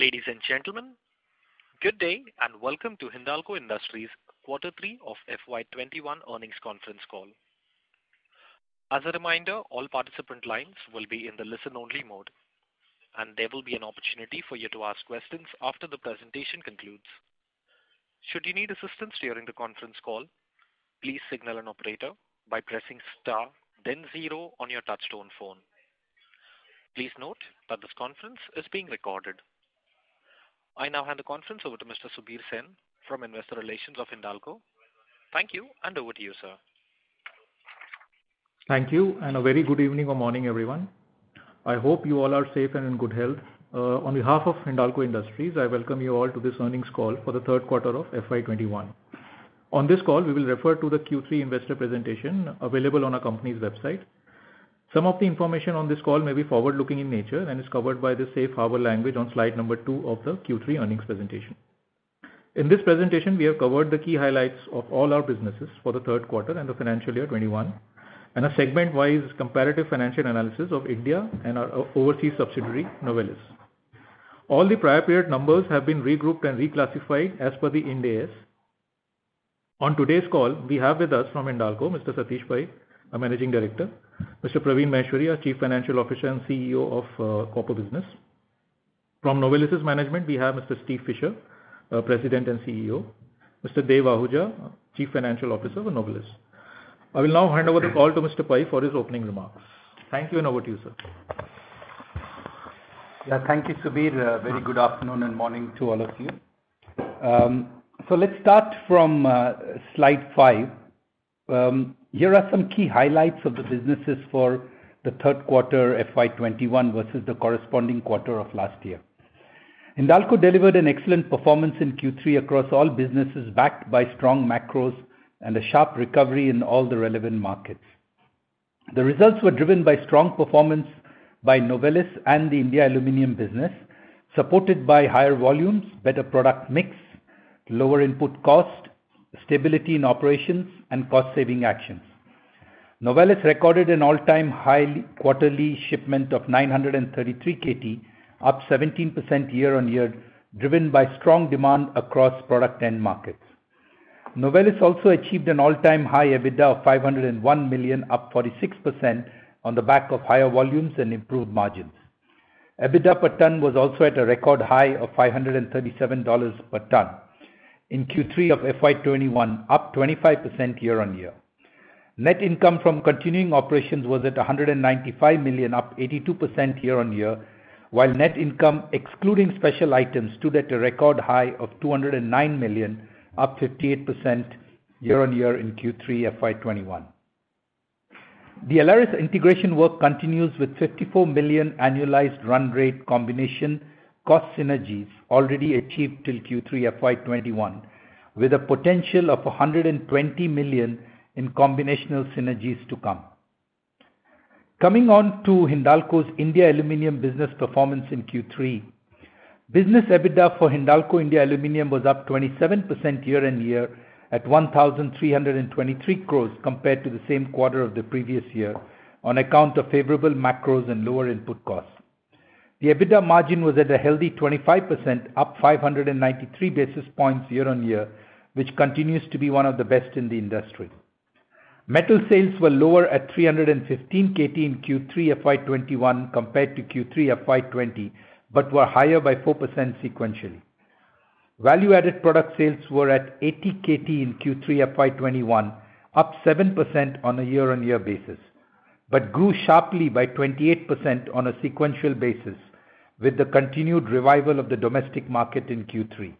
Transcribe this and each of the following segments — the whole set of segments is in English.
Ladies and gentlemen, good day and welcome to Hindalco Industries quarter three of FY 2021 earnings conference call. As a reminder, all participant lines will be in the listen only mode, and there will be an opportunity for you to ask questions after the presentation concludes. Should you need assistance during the conference call, please signal an operator by pressing star, then zero on your touchtone phone. Please note that this conference is being recorded. I now hand the conference over to Mr. Subir Sen from Investor Relations of Hindalco. Thank you, and over to you, sir. Thank you, and a very good evening or morning, everyone. I hope you all are safe and in good health. On behalf of Hindalco Industries, I welcome you all to this earnings call for the third quarter of FY 2021. On this call, we will refer to the Q3 investor presentation available on our company's website. Some of the information on this call may be forward-looking in nature and is covered by the safe harbor language on slide number two of the Q3 earnings presentation. In this presentation, we have covered the key highlights of all our businesses for the third quarter and the financial year 2021, and a segment-wise comparative financial analysis of India and our overseas subsidiary, Novelis. All the prior period numbers have been regrouped and reclassified as per the Ind AS. On today's call, we have with us from Hindalco, Mr. Satish Pai, our Managing Director, Mr. Praveen Maheshwari, our Chief Financial Officer and CEO of Copper Business. From Novelis's management, we have Mr. Steve Fisher, our President and CEO, Mr. Dev Ahuja, Chief Financial Officer for Novelis. I will now hand over the call to Mr. Pai for his opening remarks. Thank you. Over to you, sir. Thank you, Subir. Very good afternoon and morning to all of you. Let's start from slide five. Here are some key highlights of the businesses for the third quarter FY 2021 versus the corresponding quarter of last year. Hindalco delivered an excellent performance in Q3 across all businesses backed by strong macros and a sharp recovery in all the relevant markets. The results were driven by strong performance by Novelis and the India Aluminium business, supported by higher volumes, better product mix, lower input cost, stability in operations, and cost saving actions. Novelis recorded an all-time high quarterly shipment of 933 KT, up 17% year-on-year, driven by strong demand across product end markets. Novelis also achieved an all-time high EBITDA of $501 million, up 46% on the back of higher volumes and improved margins. EBITDA per ton was also at a record high of $537 per ton in Q3 of FY 2021, up 25% year-on-year. Net income from continuing operations was at $195 million, up 82% year-on-year. Net income excluding special items stood at a record high of $209 million, up 58% year-on-year in Q3 FY 2021. The Aleris integration work continues with $54 million annualized run rate combination cost synergies already achieved till Q3 FY 2021, with a potential of $120 million in combinational synergies to come. Coming on to Hindalco's India Aluminium business performance in Q3. Business EBITDA for Hindalco India Aluminium was up 27% year-on-year at 1,323 crores compared to the same quarter of the previous year on account of favorable macros and lower input costs. The EBITDA margin was at a healthy 25%, up 593 basis points year-on-year, which continues to be one of the best in the industry. Metal sales were lower at 315 KT in Q3 FY 2021 compared to Q3 FY 2020, but were higher by 4% sequentially. Value-added product sales were at 80 KT in Q3 FY 2021, up 7% on a year-on-year basis, but grew sharply by 28% on a sequential basis with the continued revival of the domestic market in Q3.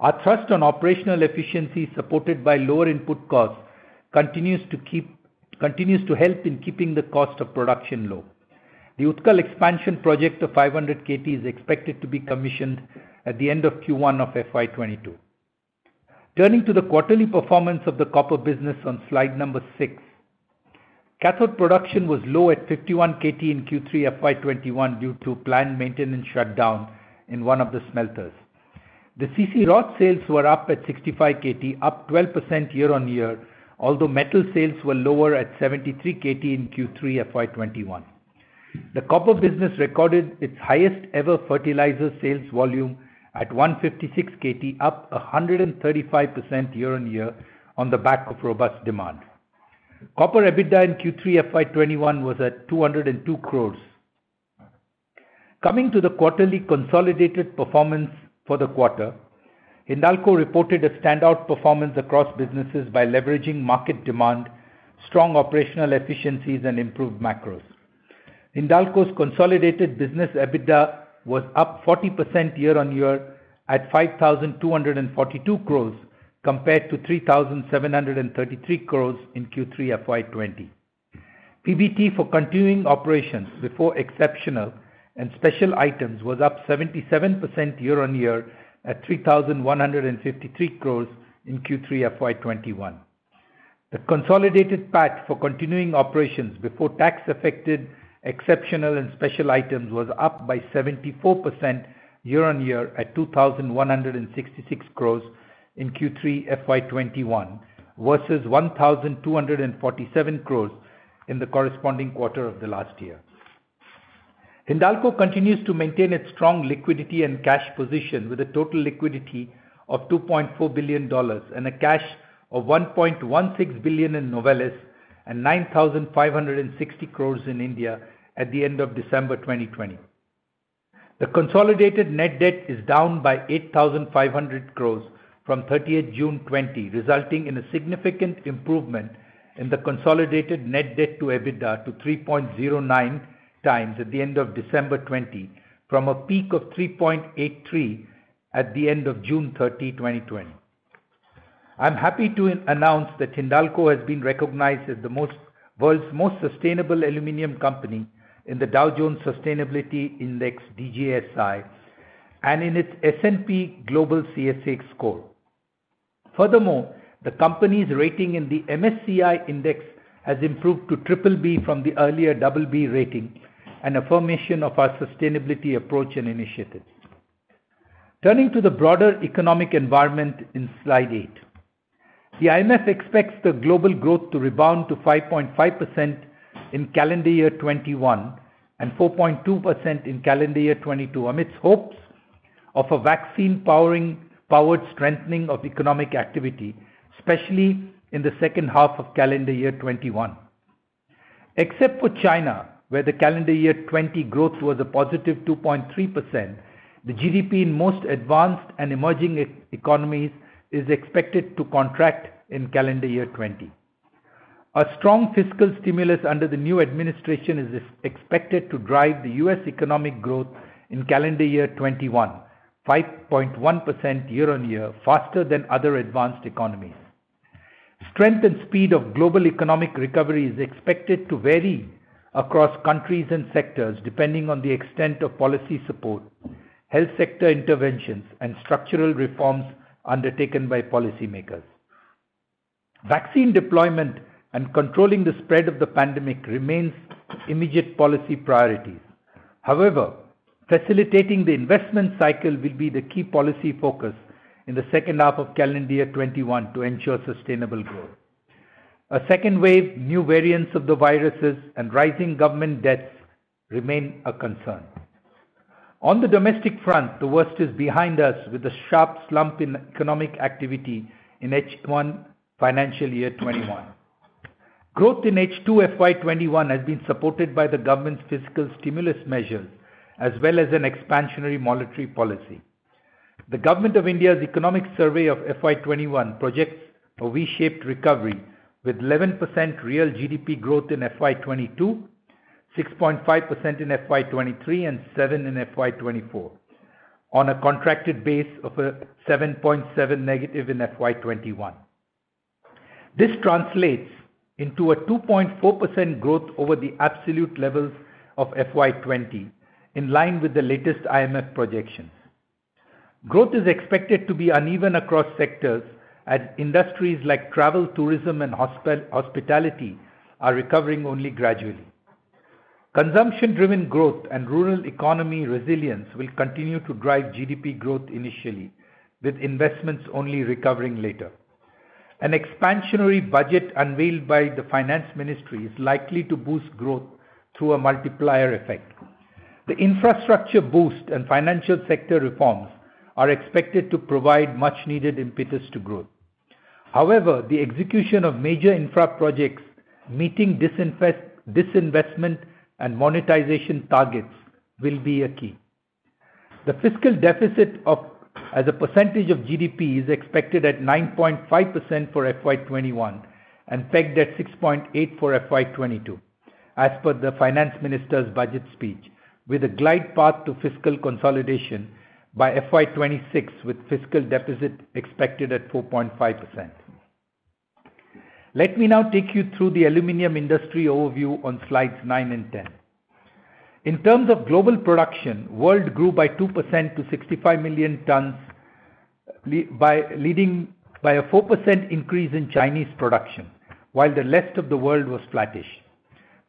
Our thrust on operational efficiency supported by lower input cost continues to help in keeping the cost of production low. The Utkal expansion project of 500 KT is expected to be commissioned at the end of Q1 of FY 2022. Turning to the quarterly performance of the copper business on slide number six. Cathode production was low at 51 KT in Q3 FY 2021 due to planned maintenance shutdown in one of the smelters. The CC rod sales were up at 65 KT, up 12% year-on-year. Metal sales were lower at 73 KT in Q3 FY 2021. The copper business recorded its highest ever fertilizer sales volume at 156 KT, up 135% year-on-year on the back of robust demand. Copper EBITDA in Q3 FY 2021 was at 202 crore. Coming to the quarterly consolidated performance for the quarter, Hindalco reported a standout performance across businesses by leveraging market demand, strong operational efficiencies, and improved macros. Hindalco's consolidated business EBITDA was up 40% year-on-year at 5,242 crores compared to 3,733 crores in Q3 FY 2020. PBT for continuing operations before exceptional and special items was up 77% year-on-year at 3,153 crores in Q3 FY 2021. The consolidated PAT for continuing operations before tax affected exceptional and special items was up by 74% year-on-year at 2,166 crores in Q3 FY 2021 versus 1,247 crores in the corresponding quarter of the last year. Hindalco continues to maintain its strong liquidity and cash position with a total liquidity of $2.4 billion and a cash of $1.16 billion in Novelis and 9,560 crores in India at the end of December 2020. The consolidated net debt is down by 8,500 crores from June 30, 2020, resulting in a significant improvement in the consolidated net debt to EBITDA to 3.09x at the end of December 2020, from a peak of 3.83 at the end of June 30, 2020. I'm happy to announce that Hindalco has been recognized as the world's most sustainable aluminum company in the Dow Jones Sustainability Indices, DJSI, and in its S&P Global CSA score. Furthermore, the company's rating in the MSCI index has improved to BBB from the earlier BB rating, an affirmation of our sustainability approach and initiatives. Turning to the broader economic environment in slide eight. The IMF expects the global growth to rebound to 5.5% in calendar year 2021 and 4.2% in calendar year 2022, amidst hopes of a vaccine-powered strengthening of economic activity, especially in the second half of calendar year 2021. Except for China, where the calendar year 2020 growth was a positive 2.3%, the GDP in most advanced and emerging economies is expected to contract in calendar year 2020. A strong fiscal stimulus under the new administration is expected to drive the U.S. economic growth in calendar year 2021, 5.1% year-on-year faster than other advanced economies. Strength and speed of global economic recovery is expected to vary across countries and sectors, depending on the extent of policy support, health sector interventions, and structural reforms undertaken by policymakers. Vaccine deployment and controlling the spread of the pandemic remains immediate policy priorities. Facilitating the investment cycle will be the key policy focus in the second half of calendar year 2021 to ensure sustainable growth. A second wave, new variants of the viruses, and rising government debts remain a concern. On the domestic front, the worst is behind us with a sharp slump in economic activity in H1 financial year 2021. Growth in H2 FY 2021 has been supported by the Government of India's fiscal stimulus measures, as well as an expansionary monetary policy. The Government of India's economic survey of FY 2021 projects a V-shaped recovery with 11% real GDP growth in FY 2022, 6.5% in FY 2023, and 7% in FY 2024 on a contracted base of a -7.7% in FY 2021. This translates into a 2.4% growth over the absolute levels of FY 2020, in line with the latest IMF projections. Growth is expected to be uneven across sectors as industries like travel, tourism, and hospitality are recovering only gradually. Consumption-driven growth and rural economy resilience will continue to drive GDP growth initially, with investments only recovering later. An expansionary budget unveiled by the finance ministry is likely to boost growth through a multiplier effect. The infrastructure boost and financial sector reforms are expected to provide much needed impetus to growth. However, the execution of major infra projects, meeting disinvestment, and monetization targets will be a key. The fiscal deficit as a percentage of GDP is expected at 9.5% for FY 2021 and pegged at 6.8% for FY 2022, as per the Finance Minister's budget speech, with a glide path to fiscal consolidation by FY 2026, with fiscal deficit expected at 4.5%. Let me now take you through the aluminum industry overview on slides nine and 10. In terms of global production, world grew by 2% to 65 million tons, leading by a 4% increase in Chinese production while the rest of the world was flattish.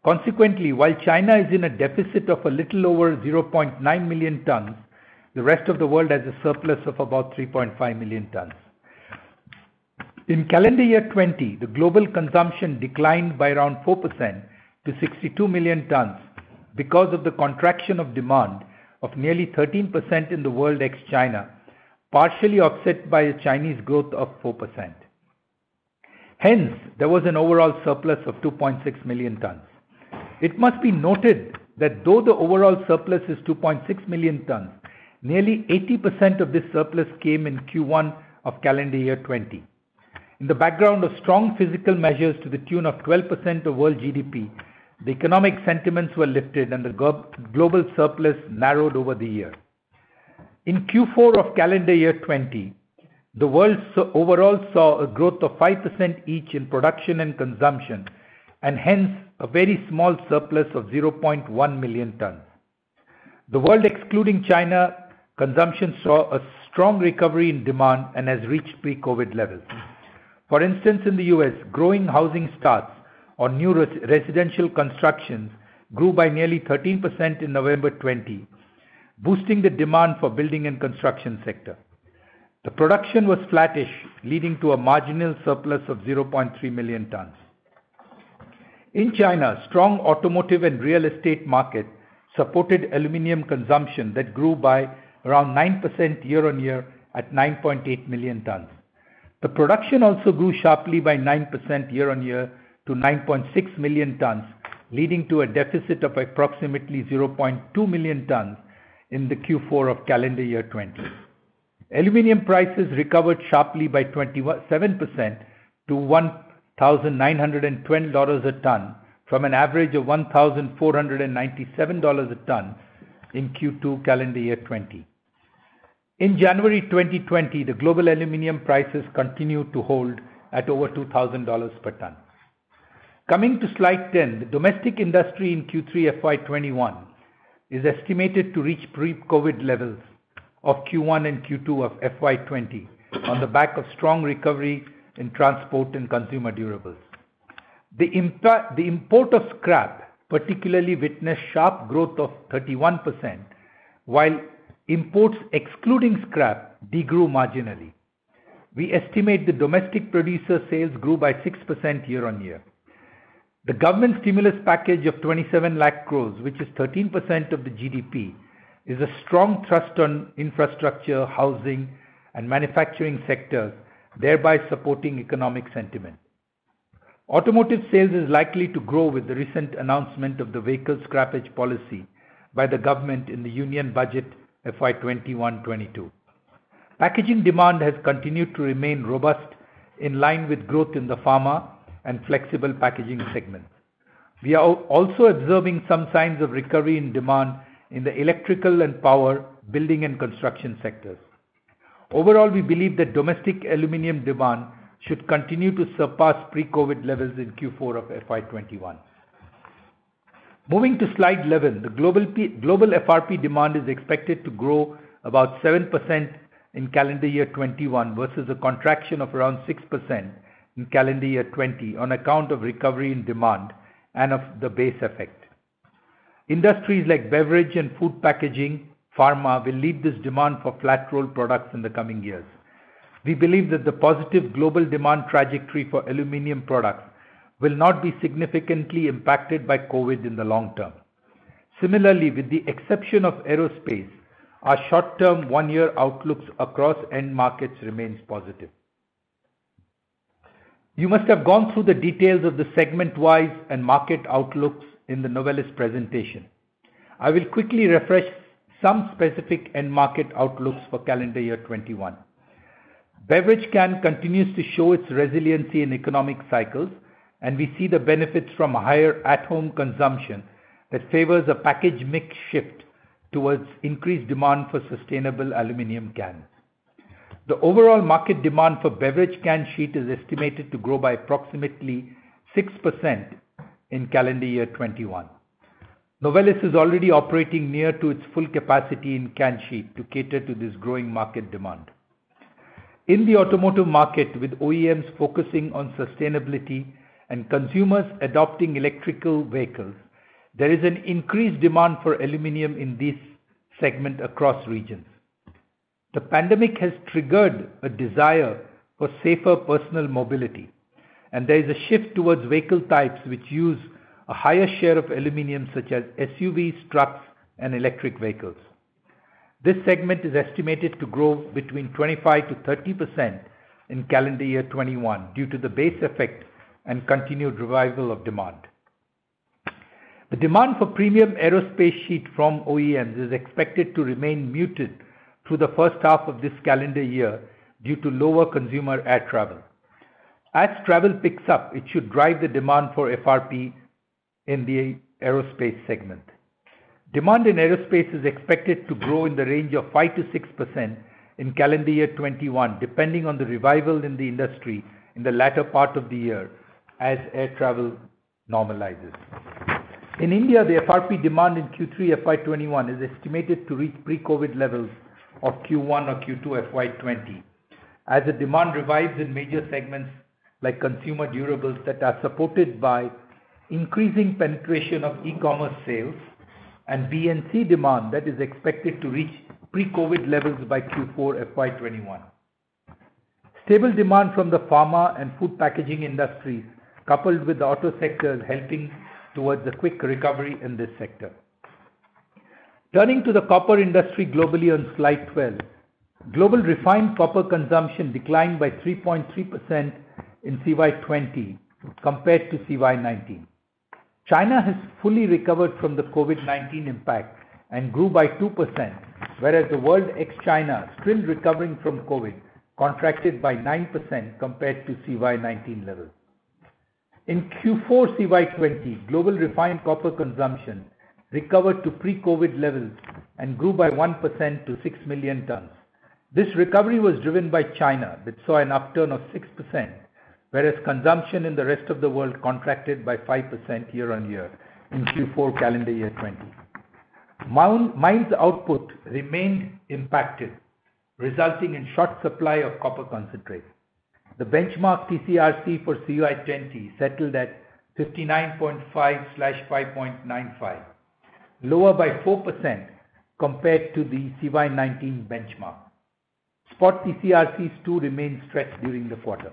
Consequently, while China is in a deficit of a little over 0.9 million tons, the rest of the world has a surplus of about 3.5 million tons. In calendar year 2020, the global consumption declined by around 4% to 62 million tons because of the contraction of demand of nearly 13% in the world ex China, partially offset by a Chinese growth of 4%. Hence, there was an overall surplus of 2.6 million tons. It must be noted that though the overall surplus is 2.6 million tons, nearly 80% of this surplus came in Q1 of calendar year 2020. In the background of strong fiscal measures to the tune of 12% of world GDP, the economic sentiments were lifted and the global surplus narrowed over the year. In Q4 of calendar year 2020, the world overall saw a growth of 5% each in production and consumption, and hence a very small surplus of 0.1 million tons. The world excluding China consumption saw a strong recovery in demand and has reached pre-COVID levels. For instance, in the U.S., growing housing starts or new residential constructions grew by nearly 13% in November 2020, boosting the demand for building and construction sector. The production was flattish, leading to a marginal surplus of 0.3 million tons. In China, strong automotive and real estate market supported aluminum consumption that grew by around 9% year-on-year at 9.8 million tons. The production also grew sharply by 9% year-on-year to 9.6 million tonnes, leading to a deficit of approximately 0.2 million tonnes in the Q4 of calendar year 2020. Aluminum prices recovered sharply by 27% to $1,920 a tonne from an average of $1,497 a tonne in Q2 calendar year 2020. In January 2020, the global aluminum prices continued to hold at over $2,000 per tonne. Coming to slide 10. The domestic industry in Q3 FY 2021 is estimated to reach pre-COVID levels of Q1 and Q2 of FY 2020 on the back of strong recovery in transport and consumer durables. The import of scrap particularly witnessed sharp growth of 31%, while imports excluding scrap de-grew marginally. We estimate the domestic producer sales grew by 6% year-on-year. The government stimulus package of 27 lakh crore, which is 13% of the GDP, is a strong thrust on infrastructure, housing, and manufacturing sectors, thereby supporting economic sentiment. Automotive sales is likely to grow with the recent announcement of the Vehicle Scrappage Policy by the government in the Union Budget FY 2021-2022. Packaging demand has continued to remain robust in line with growth in the pharma and flexible packaging segments. We are also observing some signs of recovery in demand in the electrical and power, building and construction sectors. Overall, we believe that domestic aluminum demand should continue to surpass pre-COVID levels in Q4 of FY 2021. Moving to slide 11. The global FRP demand is expected to grow about 7% in calendar year 2021 versus a contraction of around 6% in calendar year 2020 on account of recovery in demand and of the base effect. Industries like beverage and food packaging, pharma will lead this demand for flat roll products in the coming years. We believe that the positive global demand trajectory for aluminum products will not be significantly impacted by COVID in the long term. Similarly, with the exception of aerospace, our short-term one-year outlooks across end markets remains positive. You must have gone through the details of the segment-wise and market outlooks in the Novelis presentation. I will quickly refresh some specific end market outlooks for calendar year 2021. Beverage can continues to show its resiliency in economic cycles, and we see the benefits from higher at-home consumption that favors a package mix shift towards increased demand for sustainable aluminum cans. The overall market demand for beverage can sheet is estimated to grow by approximately 6% in calendar year 2021. Novelis is already operating near to its full capacity in can sheet to cater to this growing market demand. In the automotive market, with OEMs focusing on sustainability and consumers adopting electrical vehicles, there is an increased demand for aluminum in this segment across regions. The pandemic has triggered a desire for safer personal mobility, and there is a shift towards vehicle types which use a higher share of aluminum such as SUVs, trucks, and electric vehicles. This segment is estimated to grow between 25%-30% in calendar year 2021 due to the base effect and continued revival of demand. The demand for premium aerospace sheet from OEMs is expected to remain muted through the first half of this calendar year due to lower consumer air travel. As travel picks up, it should drive the demand for FRP in the aerospace segment. Demand in aerospace is expected to grow in the range of 5%-6% in calendar year 2021, depending on the revival in the industry in the latter part of the year as air travel normalizes. In India, the FRP demand in Q3 FY 2021 is estimated to reach pre-COVID levels of Q1 or Q2 FY 2020 as the demand revives in major segments like consumer durables that are supported by increasing penetration of e-commerce sales and B&C demand that is expected to reach pre-COVID levels by Q4 FY 2021. Stable demand from the pharma and food packaging industries, coupled with the auto sectors helping towards a quick recovery in this sector. Turning to the copper industry globally on slide 12. Global refined copper consumption declined by 3.3% in CY 2020 compared to CY 2019. China has fully recovered from the COVID-19 impact and grew by 2%, whereas the world ex-China, still recovering from COVID, contracted by 9% compared to CY 2019 levels. In Q4 CY 2020, global refined copper consumption recovered to pre-COVID levels and grew by 1% to 6 million tonnes. This recovery was driven by China, which saw an upturn of 6%, whereas consumption in the rest of the world contracted by 5% year-on-year in Q4 calendar year 2020. Mines output remained impacted, resulting in short supply of copper concentrate. The benchmark TCRC for CY 2020 settled at 59.5/5.95, lower by 4% compared to the CY 2019 benchmark. Spot TCRCs too remained stretched during the quarter.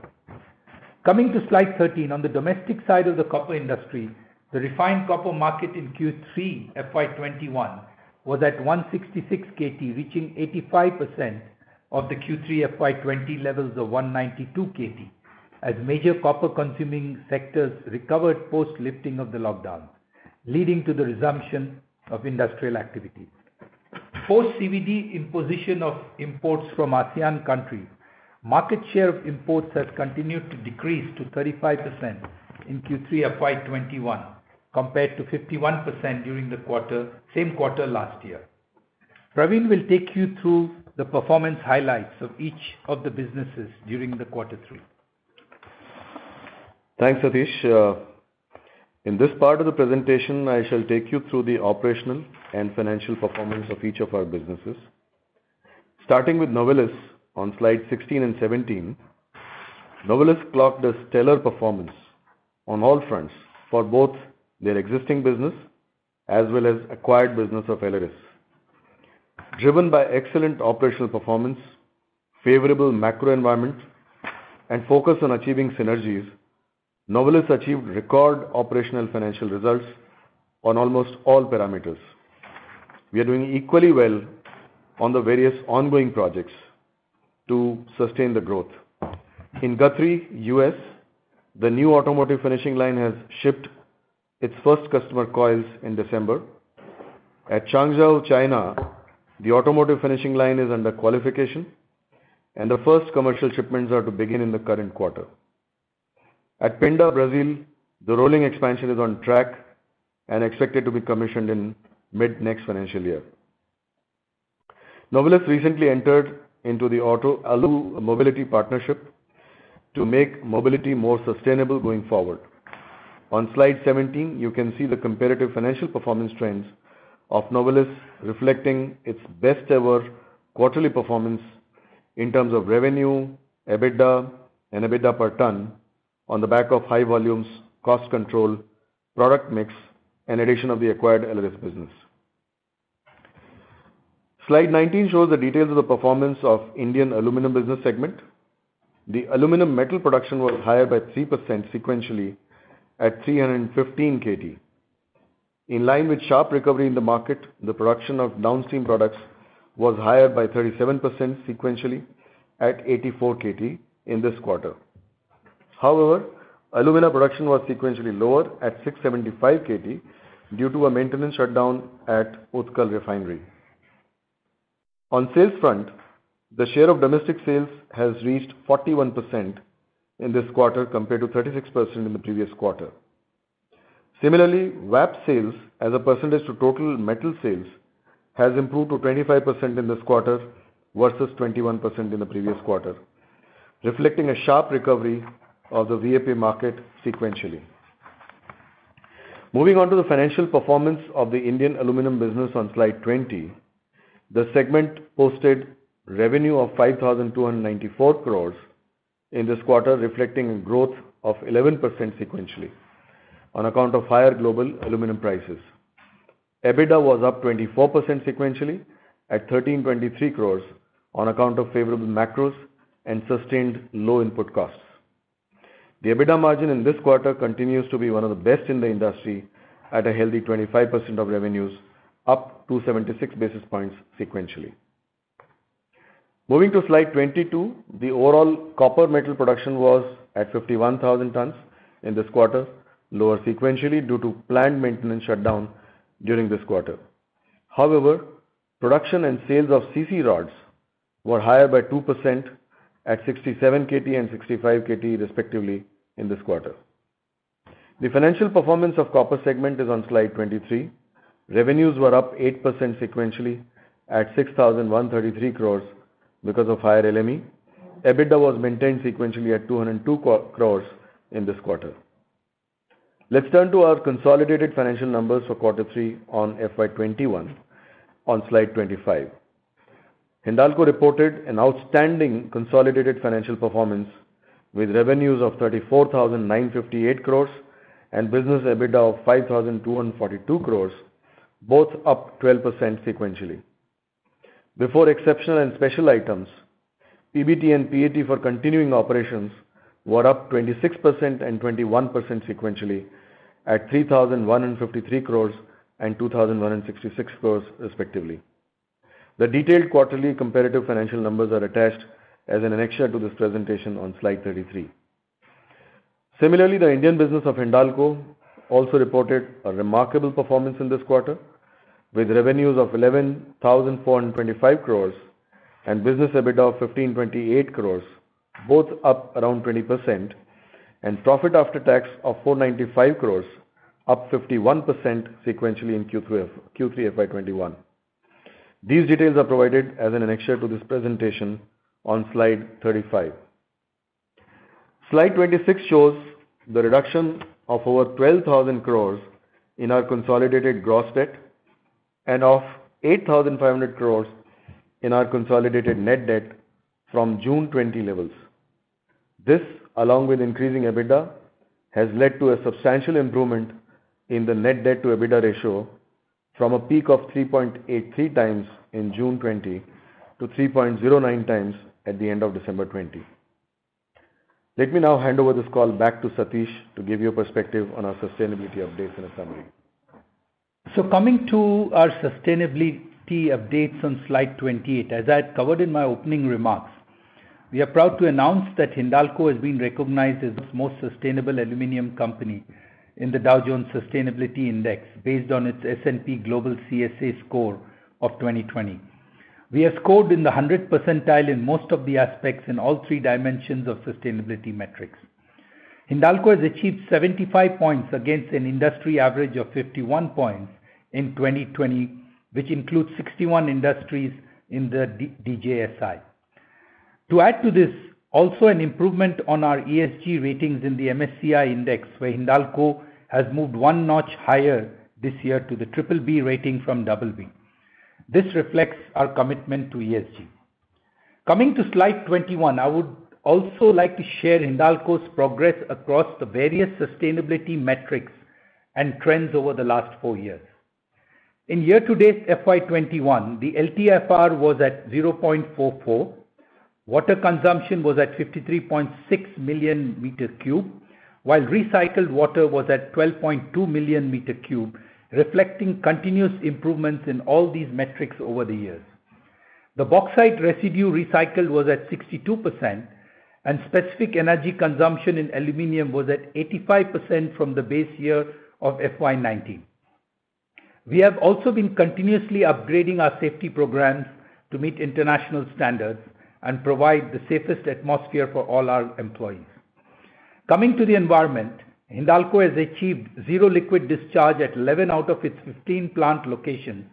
Coming to slide 13, on the domestic side of the copper industry, the refined copper market in Q3 FY 2021 was at 166 KT, reaching 85% of the Q3 FY 2020 levels of 192 KT as major copper consuming sectors recovered post lifting of the lockdowns, leading to the resumption of industrial activity. Post CVD imposition of imports from ASEAN countries, market share of imports has continued to decrease to 35% in Q3 FY 2021 compared to 51% during the same quarter last year. Praveen will take you through the performance highlights of each of the businesses during the quarter three. Thanks, Satish. In this part of the presentation, I shall take you through the operational and financial performance of each of our businesses. Starting with Novelis on slides 16 and 17. Novelis clocked a stellar performance on all fronts for both their existing business as well as acquired business of Aleris. Driven by excellent operational performance, favorable macro environment, and focus on achieving synergies, Novelis achieved record operational financial results on almost all parameters. We are doing equally well on the various ongoing projects to sustain the growth. In Guthrie, U.S., the new automotive finishing line has shipped its first customer coils in December. At Changzhou, China, the automotive finishing line is under qualification, the first commercial shipments are to begin in the current quarter. At Pinda, Brazil, the rolling expansion is on track and expected to be commissioned in mid next financial year. Novelis recently entered into the Alumobility partnership to make mobility more sustainable going forward. On slide 17, you can see the comparative financial performance trends of Novelis reflecting its best-ever quarterly performance in terms of revenue, EBITDA, and EBITDA per ton on the back of high volumes, cost control, product mix, and addition of the acquired Aleris business. Slide 19 shows the details of the performance of Indian aluminum business segment. The aluminum metal production was higher by 3% sequentially at 315 KT. In line with sharp recovery in the market, the production of downstream products was higher by 37% sequentially at 84 KT in this quarter. However, alumina production was sequentially lower at 675 KT due to a maintenance shutdown at Utkal Refinery. On sales front, the share of domestic sales has reached 41% in this quarter compared to 36% in the previous quarter. Similarly, VAP sales as a percentage to total metal sales has improved to 25% in this quarter versus 21% in the previous quarter, reflecting a sharp recovery of the VAP market sequentially. Moving on to the financial performance of the Indian aluminum business on slide 20. The segment posted revenue of 5,294 crore in this quarter, reflecting a growth of 11% sequentially on account of higher global aluminum prices. EBITDA was up 24% sequentially at 1,323 crore on account of favorable macros and sustained low input costs. The EBITDA margin in this quarter continues to be one of the best in the industry at a healthy 25% of revenues, up 276 basis points sequentially. Moving to slide 22, the overall copper metal production was at 51,000 tons in this quarter, lower sequentially due to planned maintenance shutdown during this quarter. However, production and sales of CC rods were higher by 2% at 67 KT and 65 KT respectively in this quarter. The financial performance of copper segment is on slide 23. Revenues were up 8% sequentially at 6,133 crores because of higher LME. EBITDA was maintained sequentially at 202 crores in this quarter. Let's turn to our consolidated financial numbers for quarter three on FY 2021 on slide 25. Hindalco reported an outstanding consolidated financial performance with revenues of 34,958 crores and business EBITDA of 5,242 crores, both up 12% sequentially. Before exceptional and special items, PBT and PAT for continuing operations were up 26% and 21% sequentially at 3,153 crores and 2,166 crores respectively. The detailed quarterly comparative financial numbers are attached as an annexure to this presentation on slide 33. The Indian business of Hindalco also reported a remarkable performance in this quarter, with revenues of 11,425 crores and business EBITDA of 1,528 crores, both up around 20%, and profit after tax of 495 crores, up 51% sequentially in Q3 FY 2021. These details are provided as an annexure to this presentation on slide 35. Slide 26 shows the reduction of over 12,000 crores in our consolidated gross debt and of 8,500 crores in our consolidated net debt from June 2020 levels. This, along with increasing EBITDA, has led to a substantial improvement in the net debt to EBITDA ratio from a peak of 3.83 times in June 2020 to 3.09 times at the end of December 2020. Let me now hand over this call back to Satish to give you a perspective on our sustainability updates and a summary. Coming to our sustainability updates on slide 28. As I had covered in my opening remarks, we are proud to announce that Hindalco has been recognized as the most sustainable aluminium company in the Dow Jones Sustainability Indices based on its S&P Global CSA score of 2020. We have scored in the 100th percentile in most of the aspects in all three dimensions of sustainability metrics. Hindalco has achieved 75 points against an industry average of 51 points in 2020, which includes 61 industries in the DJSI. To add to this, also an improvement on our ESG ratings in the MSCI Index, where Hindalco has moved one notch higher this year to the BBB rating from BB. This reflects our commitment to ESG. Coming to slide 21, I would also like to share Hindalco's progress across the various sustainability metrics and trends over the last four years. In year-to-date FY 2021, the LTFR was at 0.44. Water consumption was at 53.6 million meter cube, while recycled water was at 12.2 million meter cube, reflecting continuous improvements in all these metrics over the years. The bauxite residue recycled was at 62% and specific energy consumption in aluminium was at 85% from the base year of FY 2019. We have also been continuously upgrading our safety programs to meet international standards and provide the safest atmosphere for all our employees. Coming to the environment, Hindalco has achieved Zero Liquid Discharge at 11 out of its 15 plant locations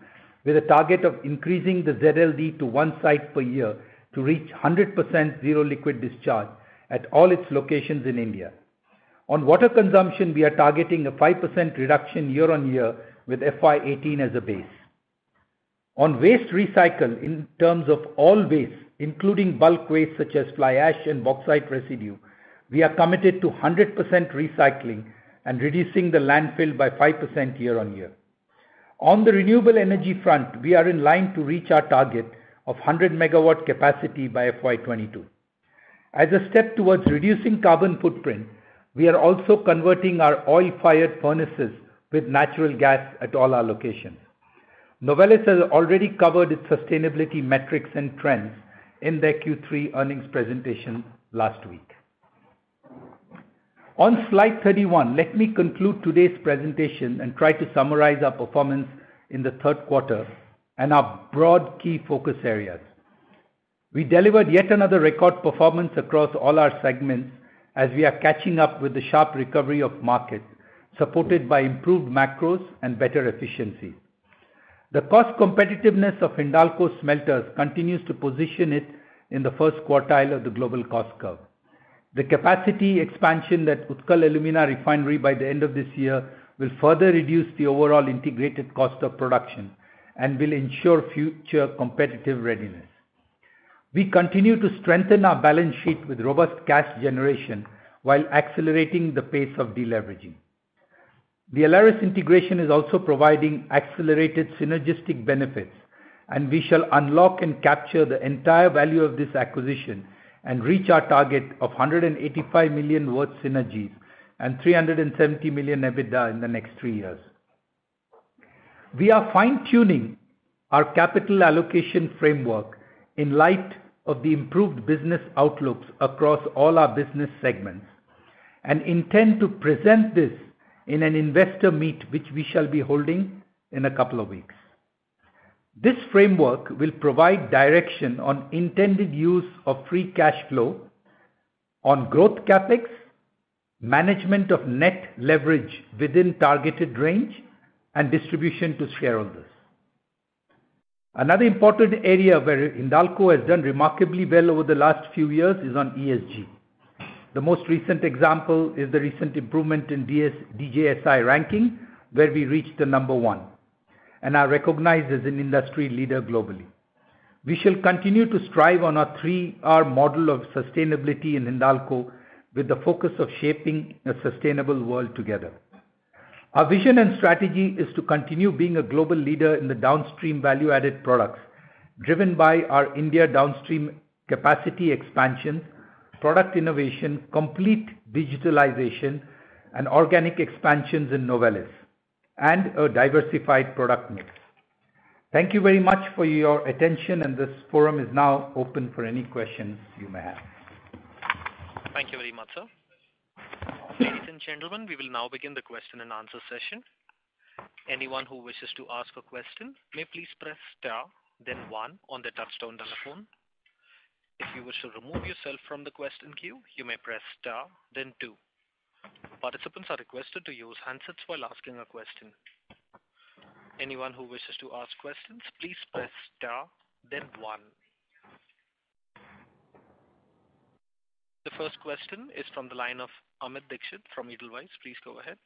with a target of increasing the ZLD to one site per year to reach 100% Zero Liquid Discharge at all its locations in India. On water consumption, we are targeting a 5% reduction year-on-year with FY 2018 as a base. On waste recycle in terms of all waste, including bulk waste such as fly ash and bauxite residue, we are committed to 100% recycling and reducing the landfill by 5% year-over-year. On the renewable energy front, we are in line to reach our target of 100 MW capacity by FY 2022. As a step towards reducing carbon footprint, we are also converting our oil-fired furnaces with natural gas at all our locations. Novelis has already covered its sustainability metrics and trends in their Q3 earnings presentation last week. On slide 31, let me conclude today's presentation and try to summarize our performance in the third quarter and our broad key focus areas. We delivered yet another record performance across all our segments as we are catching up with the sharp recovery of market, supported by improved macros and better efficiency. The cost competitiveness of Hindalco smelters continues to position it in the first quartile of the global cost curve. The capacity expansion at Utkal Alumina Refinery by the end of this year will further reduce the overall integrated cost of production and will ensure future competitive readiness. We continue to strengthen our balance sheet with robust cash generation while accelerating the pace of deleveraging. The Aleris integration is also providing accelerated synergistic benefits, and we shall unlock and capture the entire value of this acquisition and reach our target of 185 million worth synergies and 370 million EBITDA in the next three years. We are fine-tuning our capital allocation framework in light of the improved business outlooks across all our business segments and intend to present this in an investor meet, which we shall be holding in a couple of weeks. This framework will provide direction on intended use of free cash flow on growth CapEx, management of net leverage within targeted range, and distribution to shareholders. Another important area where Hindalco has done remarkably well over the last few years is on ESG. The most recent example is the recent improvement in DJSI ranking, where we reached the number one and are recognized as an industry leader globally. We shall continue to strive on our 3R model of sustainability in Hindalco with the focus of shaping a sustainable world together. Our vision and strategy is to continue being a global leader in the downstream value-added products driven by our India downstream capacity expansion, product innovation, complete digitalization, and organic expansions in Novelis, and a diversified product mix. Thank you very much for your attention. This forum is now open for any questions you may have. Thank you very much, sir. Ladies and gentlemen, we will now begin the question and answer session. Anyone who wishes to ask a question may please press star then one on the touchtone telephone. If you wish to remove yourself from the question queue, you may press star then two. Participants are requested to use handsets while asking a question. Anyone who wishes to ask questions, please press star then one. The first question is from the line of Amit Dixit from Edelweiss. Please go ahead.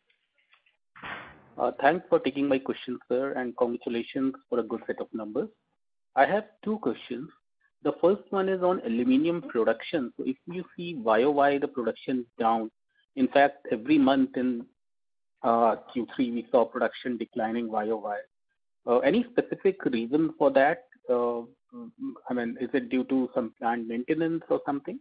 Thanks for taking my questions, sir, and congratulations for a good set of numbers. I have two questions. The first one is on aluminum production. If you see YoY, the production is down. In fact, every month in Q3, we saw production declining YoY. Any specific reason for that? Is it due to some plant maintenance or something?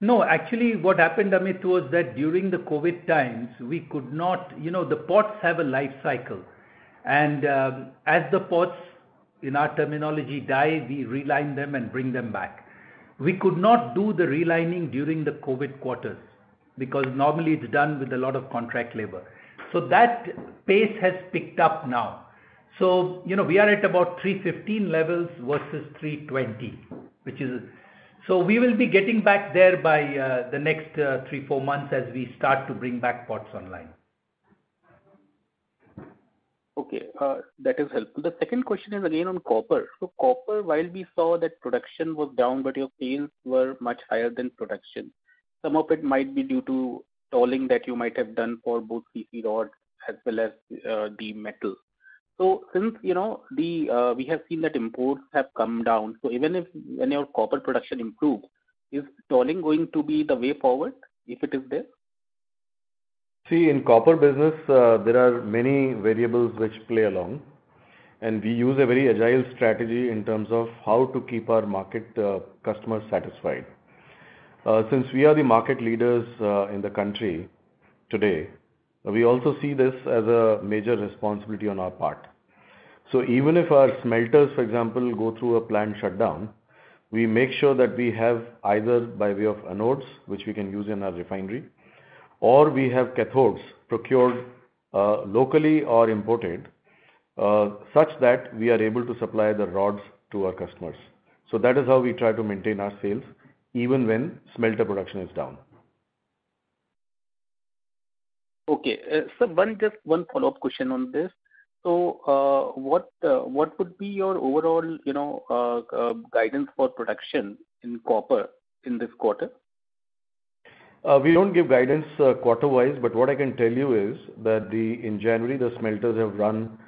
No. Actually, what happened, Amit, was that during the COVID times, we could not. The pots have a life cycle, and as the pots, in our terminology, die, we reline them and bring them back. We could not do the relining during the COVID quarters, because normally it's done with a lot of contract labor. That pace has picked up now. We are at about 315 levels versus 320. We will be getting back there by the next three, four months as we start to bring back pots online. Okay. That is helpful. The second question is again on copper. Copper, while we saw that production was down, but your sales were much higher than production. Some of it might be due to tolling that you might have done for both CC rods as well as the metal. Since we have seen that imports have come down, so even if any of copper production improves, is tolling going to be the way forward if it is there? In copper business, there are many variables which play along, we use a very agile strategy in terms of how to keep our market customers satisfied. Since we are the market leaders in the country today, we also see this as a major responsibility on our part. Even if our smelters, for example, go through a planned shutdown, we make sure that we have either by way of anodes, which we can use in our refinery, or we have cathodes procured locally or imported, such that we are able to supply the rods to our customers. That is how we try to maintain our sales, even when smelter production is down. Okay. Sir, just one follow-up question on this. What would be your overall guidance for production in copper in this quarter? We don't give guidance quarter-wise, but what I can tell you is that in January, the smelters have run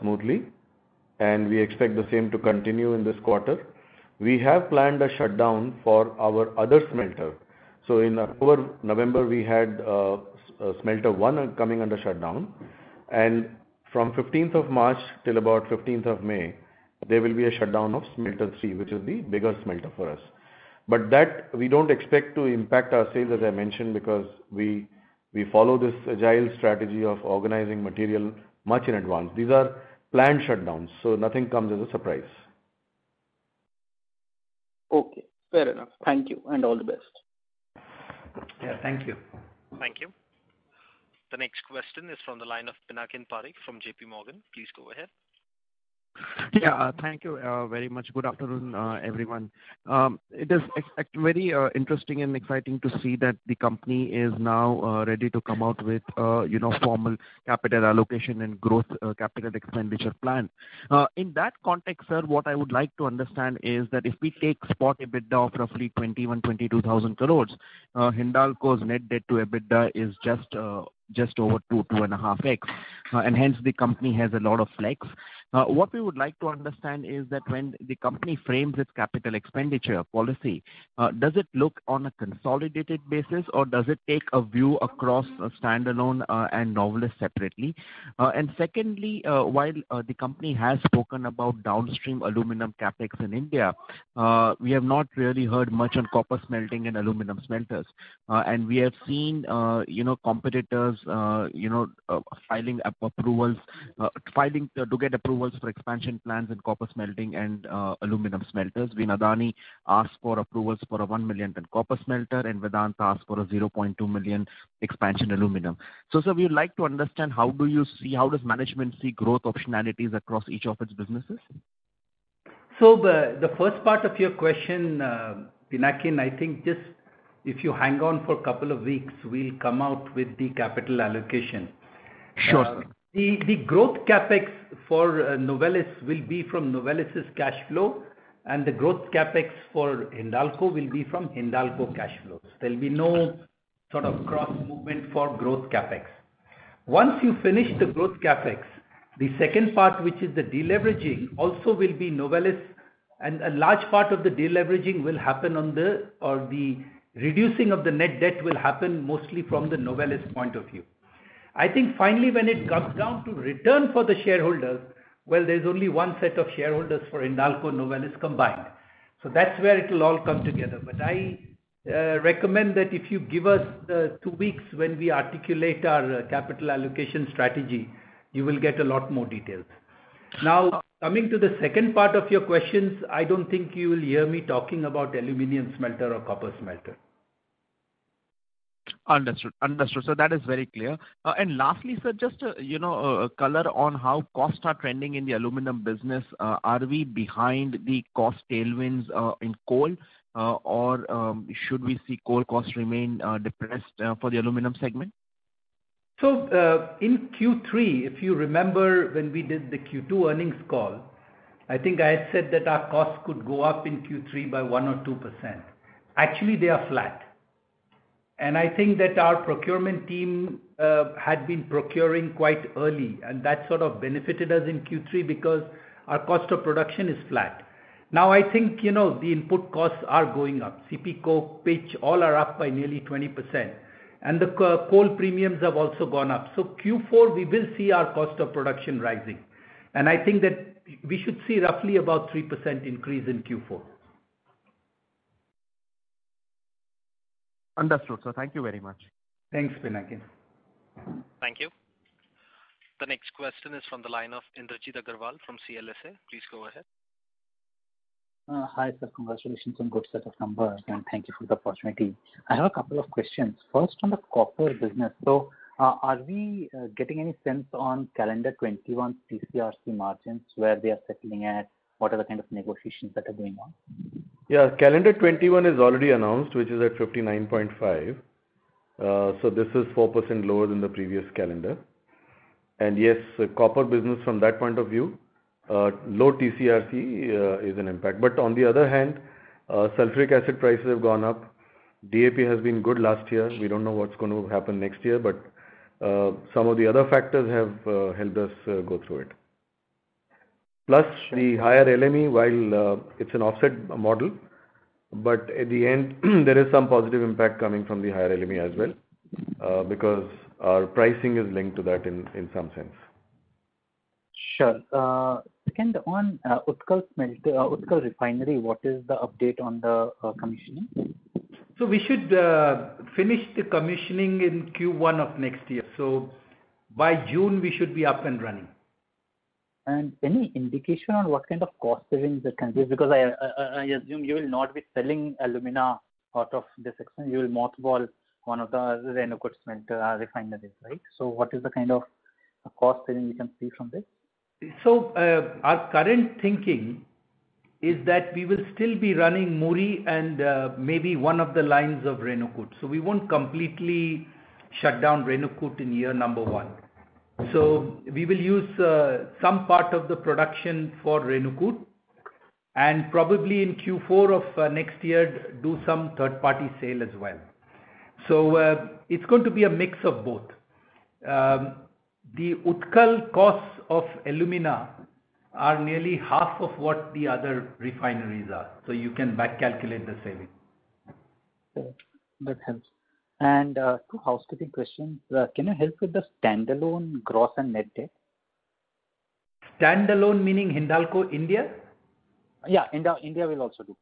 smoothly, and we expect the same to continue in this quarter. We have planned a shutdown for our other smelter. In October, November, we had smelter one coming under shutdown, and from fifteenth of March till about fifteenth of May, there will be a shutdown of smelter three, which is the biggest smelter for us. That we don't expect to impact our sales, as I mentioned, because we follow this agile strategy of organizing material much in advance. These are planned shutdowns, so nothing comes as a surprise. Okay. Fair enough. Thank you, and all the best. Yeah, thank you. Thank you. The next question is from the line of Pinakin Parekh from JPMorgan. Please go ahead. Yeah. Thank you very much. Good afternoon, everyone. It is very interesting and exciting to see that the company is now ready to come out with formal capital allocation and growth capital expenditure plan. In that context, sir, what I would like to understand is that if we take spot EBITDA of roughly 21,000 crore-22,000 crore, Hindalco's net debt to EBITDA is just over 2-2.5x, and hence the company has a lot of flex. What we would like to understand is that when the company frames its capital expenditure policy, does it look on a consolidated basis or does it take a view across standalone and Novelis separately? Secondly, while the company has spoken about downstream aluminum CapEx in India, we have not really heard much on copper smelting and aluminum smelters. We have seen competitors filing to get approvals for expansion plans in copper smelting and aluminium smelters. We know Adani asked for approvals for a 1 million ton copper smelter and Vedanta asked for a 0.2 million expansion aluminium. Sir, we would like to understand how does management see growth optionalities across each of its businesses? The first part of your question, Pinakin, I think just if you hang on for a couple of weeks, we'll come out with the capital allocation. Sure. The growth CapEx for Novelis will be from Novelis' cash flow, and the growth CapEx for Hindalco will be from Hindalco cash flows. There'll be no sort of cross movement for growth CapEx. Once you finish the growth CapEx, the second part, which is the de-leveraging, also will be Novelis and a large part of the de-leveraging will happen or the reducing of the net debt will happen mostly from the Novelis point of view. I think finally when it comes down to return for the shareholders, well, there's only one set of shareholders for Hindalco and Novelis combined. That's where it will all come together. I recommend that if you give us two weeks when we articulate our capital allocation strategy, you will get a lot more details. Coming to the second part of your questions, I don't think you will hear me talking about aluminum smelter or copper smelter. Understood. That is very clear. Lastly, sir, just a color on how costs are trending in the aluminium business. Are we behind the cost tailwinds in coal or should we see coal costs remain depressed for the aluminium segment? In Q3, if you remember when we did the Q2 earnings call, I think I said that our costs could go up in Q3 by 1% or 2%. Actually, they are flat. I think that our procurement team had been procuring quite early, and that sort of benefited us in Q3 because our cost of production is flat. I think the input costs are going up. CP coke, pitch, all are up by nearly 20%. The coal premiums have also gone up. Q4, we will see our cost of production rising. I think that we should see roughly about 3% increase in Q4. Understood, sir. Thank you very much. Thanks, Pinakin. Thank you. The next question is from the line of Indrajit Agarwal from CLSA. Please go ahead. Hi, sir. Congratulations on good set of numbers. Thank you for the opportunity. I have a couple of questions. First, on the copper business. Are we getting any sense on calendar 2021 TCRC margins, where they are settling at? What are the kind of negotiations that are going on? Yeah. Calendar 2021 is already announced, which is at 59.5. This is 4% lower than the previous calendar. Yes, the copper business from that point of view, low TCRC is an impact. On the other hand, sulfuric acid prices have gone up. DAP has been good last year. We don't know what's going to happen next year, but some of the other factors have helped us go through it. Plus the higher LME, while it's an offset model. At the end, there is some positive impact coming from the higher LME as well, because our pricing is linked to that in some sense. Sure. Second one, Utkal Refinery, what is the update on the commissioning? We should finish the commissioning in Q1 of next year. By June we should be up and running. Any indication on what kind of cost savings that can be? I assume you will not be selling alumina out of this expansion. You will mothball one of the Renukoot refineries, right? What is the kind of cost saving you can see from this? Our current thinking is that we will still be running Muri and maybe one of the lines of Renukoot. We won't completely shut down Renukoot in year number one. We will use some part of the production for Renukoot, and probably in Q4 of next year do some third-party sale as well. The Utkal costs of alumina are nearly half of what the other refineries are. You can back calculate the saving. Sure. That helps. Two housekeeping questions. Can you help with the standalone gross and net debt? Standalone, meaning Hindalco India? Yeah. India will also do.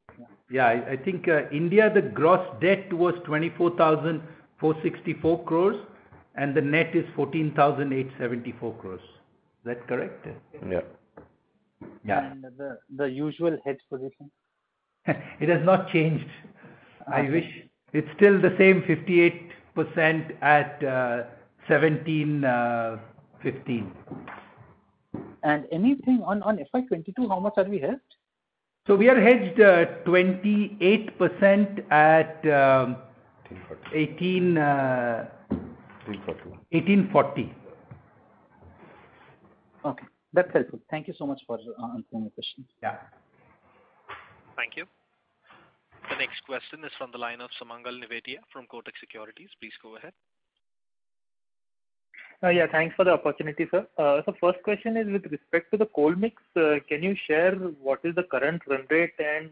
Yeah. I think India, the gross debt was 24,464 crore, and the net is 14,874 crore. Is that correct? Yeah. Yeah. The usual hedge position? It has not changed. I wish. It's still the same 58% at 1715. Anything on FY 2022, how much are we hedged? We are hedged 28% at 340. 18. 340. 1840. Okay, that's helpful. Thank you so much for answering my questions. Yeah. Thank you. The next question is from the line of Sumangal Nevatia from Kotak Securities. Please go ahead. Yeah. Thanks for the opportunity, sir. First question is with respect to the coal mix. Can you share what is the current run rate and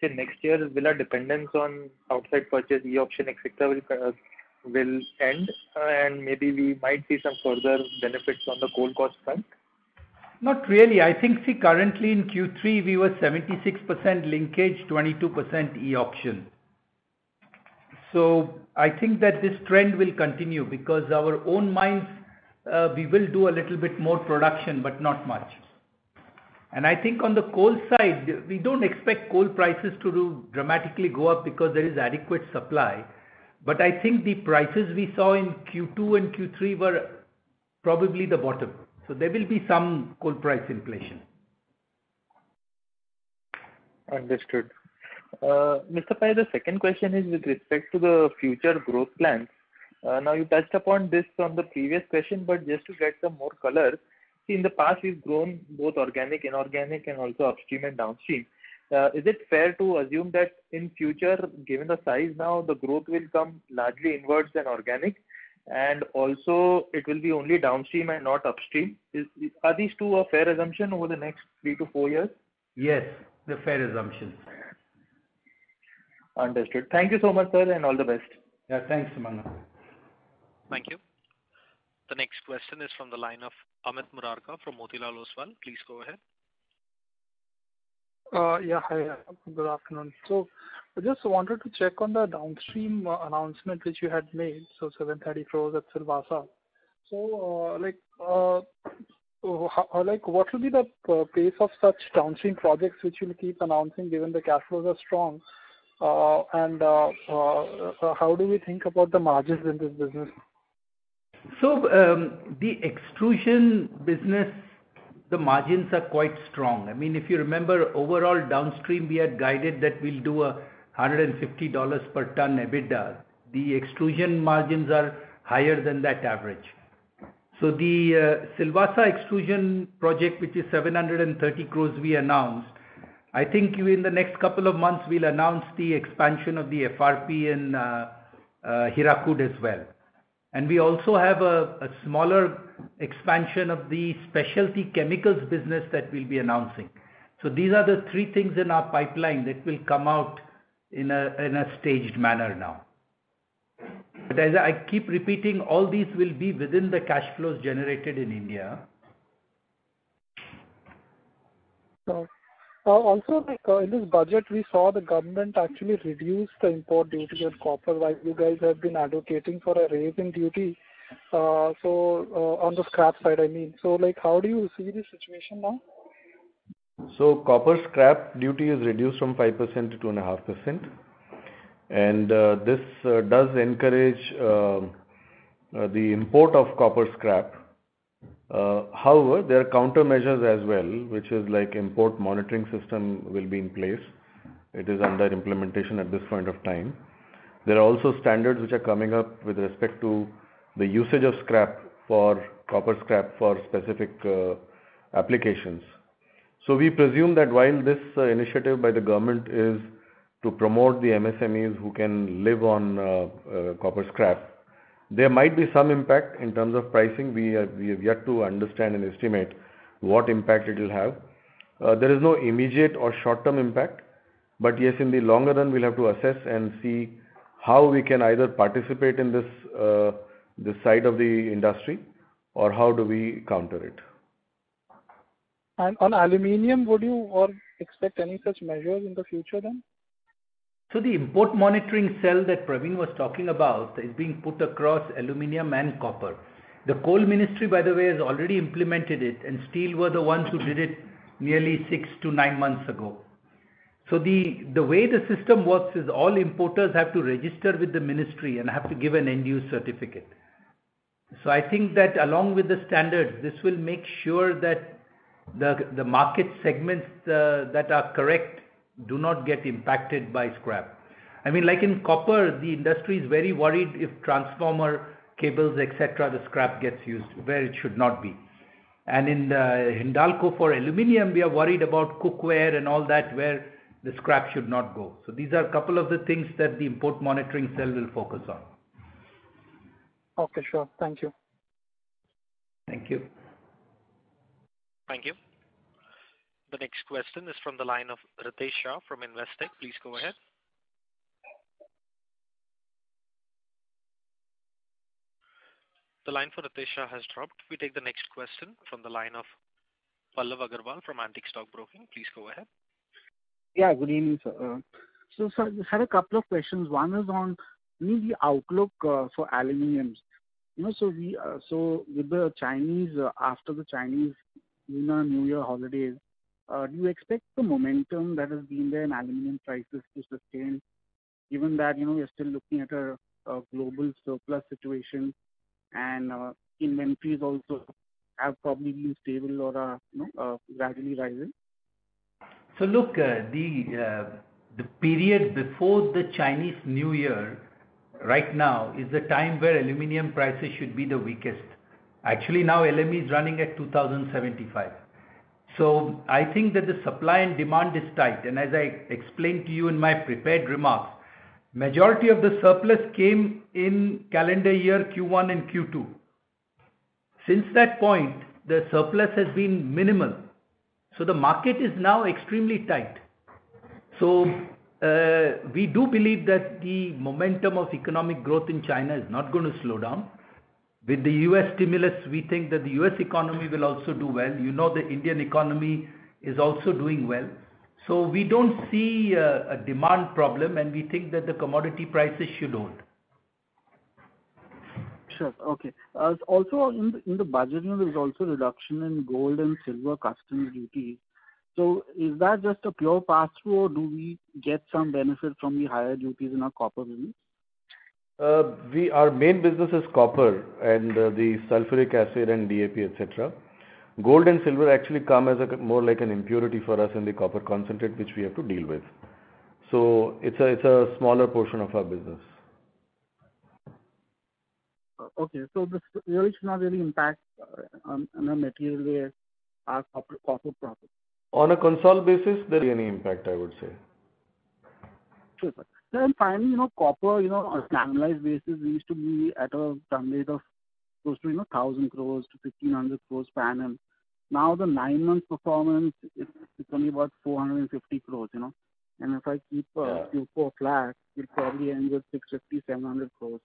say next year will our dependence on outside purchase, e-auction, et cetera, will end, and maybe we might see some further benefits on the coal cost front? Not really. I think, currently in Q3 we were 76% linkage, 22% e-auction. I think that this trend will continue because our own mines, we will do a little bit more production, but not much. I think on the coal side, we don't expect coal prices to dramatically go up because there is adequate supply. I think the prices we saw in Q2 and Q3 were probably the bottom. There will be some coal price inflation. Understood. Mr. Pai, the second question is with respect to the future growth plans. Now you touched upon this on the previous question, but just to get some more color. In the past you've grown both organic, inorganic, and also upstream and downstream. Is it fair to assume that in future, given the size now, the growth will come largely inwards and organic? Also it will be only downstream and not upstream. Are these two a fair assumption over the next three to four years? Yes, they're fair assumptions. Understood. Thank you so much, sir, and all the best. Yeah, thanks, Sumangal. Thank you. The next question is from the line of Amit Morarka from Motilal Oswal. Please go ahead. Yeah. Hi. Good afternoon. I just wanted to check on the downstream announcement which you had made. 730 crores at Silvassa. What will be the pace of such downstream projects which you'll keep announcing given the cash flows are strong? How do we think about the margins in this business? The extrusion business, the margins are quite strong. If you remember, overall downstream, we had guided that we'll do $150 per ton EBITDA. The extrusion margins are higher than that average. The Silvassa extrusion project, which is 730 crores we announced, I think in the next couple of months, we'll announce the expansion of the FRP in Hirakud as well. We also have a smaller expansion of the specialty chemicals business that we'll be announcing. These are the three things in our pipeline that will come out in a staged manner now. As I keep repeating, all these will be within the cash flows generated in India. In this budget, we saw the Government actually reduce the import duty on copper while you guys have been advocating for a raise in duty on the scrap side, I mean. How do you see the situation now? Copper scrap duty is reduced from 5% to 2.5%, and this does encourage the import of copper scrap. However, there are countermeasures as well, which is import monitoring system will be in place. It is under implementation at this point of time. There are also standards which are coming up with respect to the usage of copper scrap for specific applications. We presume that while this initiative by the government is to promote the MSMEs who can live on copper scrap, there might be some impact in terms of pricing. We have yet to understand and estimate what impact it'll have. There is no immediate or short-term impact. Yes, in the longer run, we'll have to assess and see how we can either participate in this side of the industry or how do we counter it. On aluminum, would you expect any such measures in the future then? The import monitoring cell that Praveen was talking about is being put across aluminum and copper. The coal ministry, by the way, has already implemented it, and steel were the ones who did it nearly six to nine months ago. The way the system works is all importers have to register with the ministry and have to give an end-use certificate. I think that along with the standards, this will make sure that the market segments that are correct do not get impacted by scrap. In copper, the industry is very worried if transformer cables, et cetera, the scrap gets used where it should not be. In Hindalco for aluminum, we are worried about cookware and all that where the scrap should not go. These are a couple of the things that the import monitoring cell will focus on. Okay, sure. Thank you. Thank you. Thank you. The next question is from the line of Ritesh Shah from Investec. Please go ahead. The line for Ritesh Shah has dropped. We take the next question from the line of Pallav Agarwal from Antique Stock Broking. Please go ahead. Yeah, good evening, sir. Sir, I just had a couple of questions. One is on the outlook for aluminum. With the Chinese after the Chinese Lunar New Year holidays, do you expect the momentum that has been there in aluminum prices to sustain given that you're still looking at a global surplus situation and inventories also have probably been stable or are gradually rising? Look, the period before the Chinese New Year right now is the time where aluminium prices should be the weakest. Actually, now LME is running at $2,075. I think that the supply and demand is tight. As I explained to you in my prepared remarks, majority of the surplus came in calendar year Q1 and Q2. Since that point, the surplus has been minimal. The market is now extremely tight. We do believe that the momentum of economic growth in China is not going to slow down. With the U.S. stimulus, we think that the U.S. economy will also do well. You know the Indian economy is also doing well. We don't see a demand problem, and we think that the commodity prices should hold. Sure. Okay. In the budget, there's also a reduction in gold and silver customs duty. Is that just a pure pass-through or do we get some benefit from the higher duties in our copper business? Our main business is copper and the sulfuric acid and DAP, et cetera. Gold and silver actually come as more like an impurity for us in the copper concentrate which we have to deal with. It's a smaller portion of our business. Okay. This really should not really impact on a material way our copper profit. On a consolidated basis, there is any impact I would say. Sure, sir. Finally, copper, on a standardized basis, we used to be at a run rate of close to 1,000 crore-1,500 crore per annum. Now the nine month performance is only about 450 crore. If I keep Q4 flat, we'll probably end with INR 650 crore, INR 700 crore.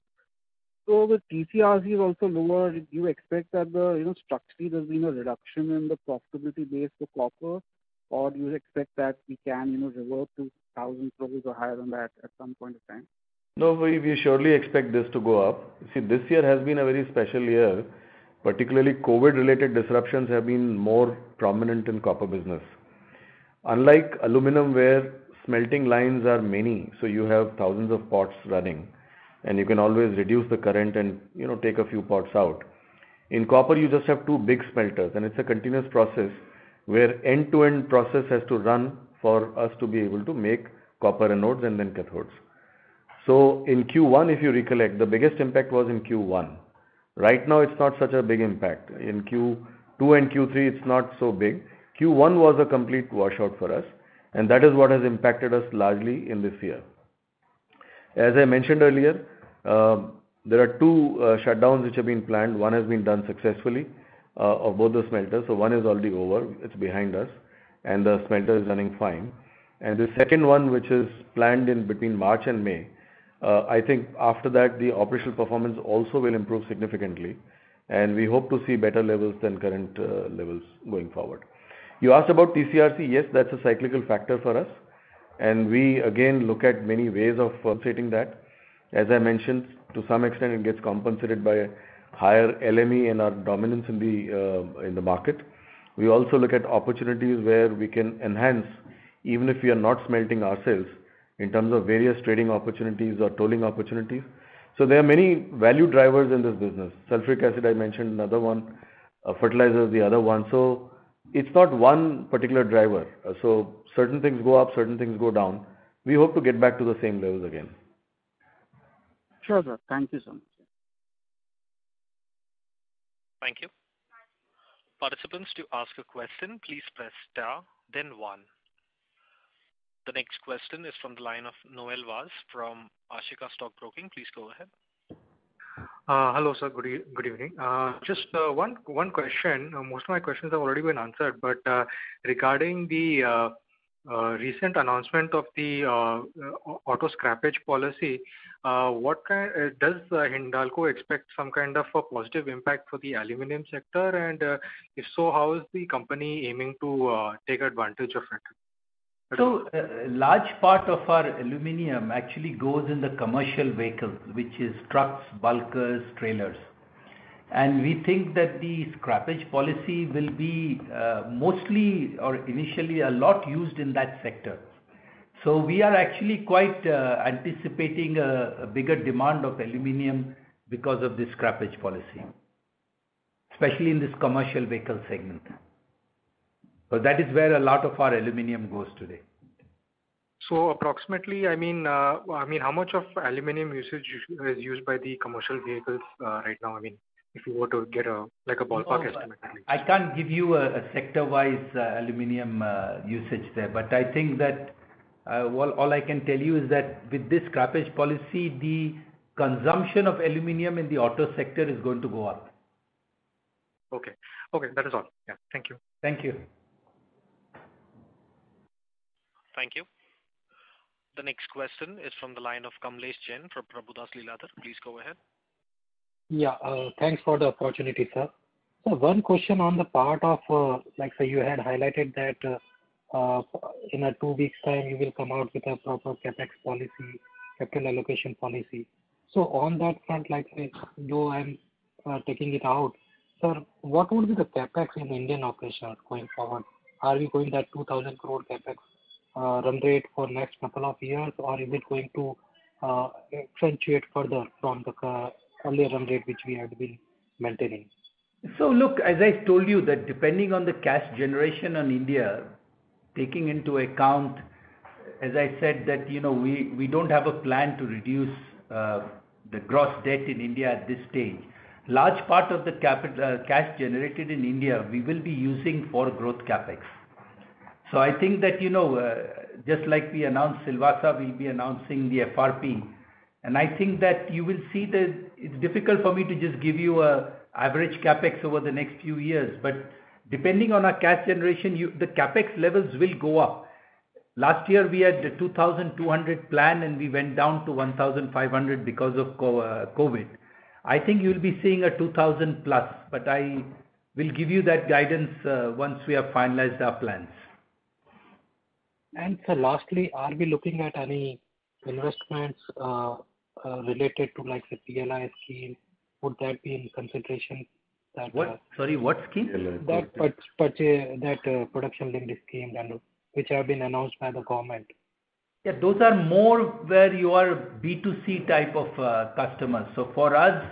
The TCR is also lower. Do you expect that structurally there's been a reduction in the profitability base for copper or do you expect that we can revert to 1,000 crore or higher than that at some point in time? No, we surely expect this to go up. See, this year has been a very special year. Particularly COVID related disruptions have been more prominent in copper business. Unlike aluminum, where smelting lines are many, so you have thousands of pots running and you can always reduce the current and take a few pots out. In copper, you just have two big smelters and it's a continuous process where end-to-end process has to run for us to be able to make copper anodes and then cathodes In Q1, if you recollect, the biggest impact was in Q1. Right now it's not such a big impact. In Q2 and Q3, it's not so big. Q1 was a complete washout for us, that is what has impacted us largely in this year. As I mentioned earlier, there are two shutdowns which have been planned. One has been done successfully of both the smelters. One is already over, it's behind us, the smelter is running fine. The second one, which is planned in between March and May. I think after that, the operational performance also will improve significantly, and we hope to see better levels than current levels going forward. You asked about TCRC. Yes, that's a cyclical factor for us, we again look at many ways of offsetting that. As I mentioned, to some extent it gets compensated by higher LME and our dominance in the market. We also look at opportunities where we can enhance, even if we are not smelting ourselves, in terms of various trading opportunities or tolling opportunities. There are many value drivers in this business. Sulfuric acid, I mentioned, another one. Fertilizer is the other one. It's not one particular driver. Certain things go up, certain things go down. We hope to get back to the same levels again. Sure, sir. Thank you so much. Thank you. The next question is from the line of Noel Vaz from Ashika Stock Broking. Please go ahead. Hello, sir. Good evening. Just one question. Most of my questions have already been answered. Regarding the recent announcement of the auto scrappage policy, does Hindalco expect some kind of a positive impact for the aluminum sector? If so, how is the company aiming to take advantage of it? A large part of our aluminium actually goes in the commercial vehicle, which is trucks, bulkers, trailers. We think that the scrappage policy will be mostly or initially a lot used in that sector. We are actually quite anticipating a bigger demand of aluminium because of the scrappage policy, especially in this commercial vehicle segment. That is where a lot of our aluminium goes today. Approximately, how much of aluminum is used by the commercial vehicles right now? If you were to get a ballpark estimate at least? I can't give you a sector-wise aluminum usage there. I think that all I can tell you is that with this scrappage policy, the consumption of aluminum in the auto sector is going to go up. Okay. That is all. Yeah. Thank you. Thank you. Thank you. The next question is from the line of Kamlesh Jain from Prabhudas Lilladher. Please go ahead. Thanks for the opportunity, sir. Sir, one question on the part of, you had highlighted that in a two weeks' time you will come out with a proper CapEx policy, capital allocation policy. On that front, like say, though I'm taking it out, sir, what would be the CapEx in Indian operations going forward? Are we going that 2,000 crore CapEx run rate for next couple of years? Or is it going to accentuate further from the earlier run rate which we had been maintaining? Look, as I told you that depending on the cash generation in India, taking into account, as I said that we don't have a plan to reduce the gross debt in India at this stage. Large part of the cash generated in India we will be using for growth CapEx. I think that, just like we announced Silvassa, we'll be announcing the FRP. I think that you will see that it's difficult for me to just give you an average CapEx over the next few years. Depending on our cash generation, the CapEx levels will go up. Last year we had 2,200 planned, and we went down to 1,500 because of COVID. I think you'll be seeing a 2,000+, I will give you that guidance once we have finalized our plans. Sir, lastly, are we looking at any investments related to like say PLI scheme? Would that be in consideration? Sorry, what scheme? That Production Linked Scheme, which have been announced by the Government. Yeah, those are more where you are B2C type of customer. For us,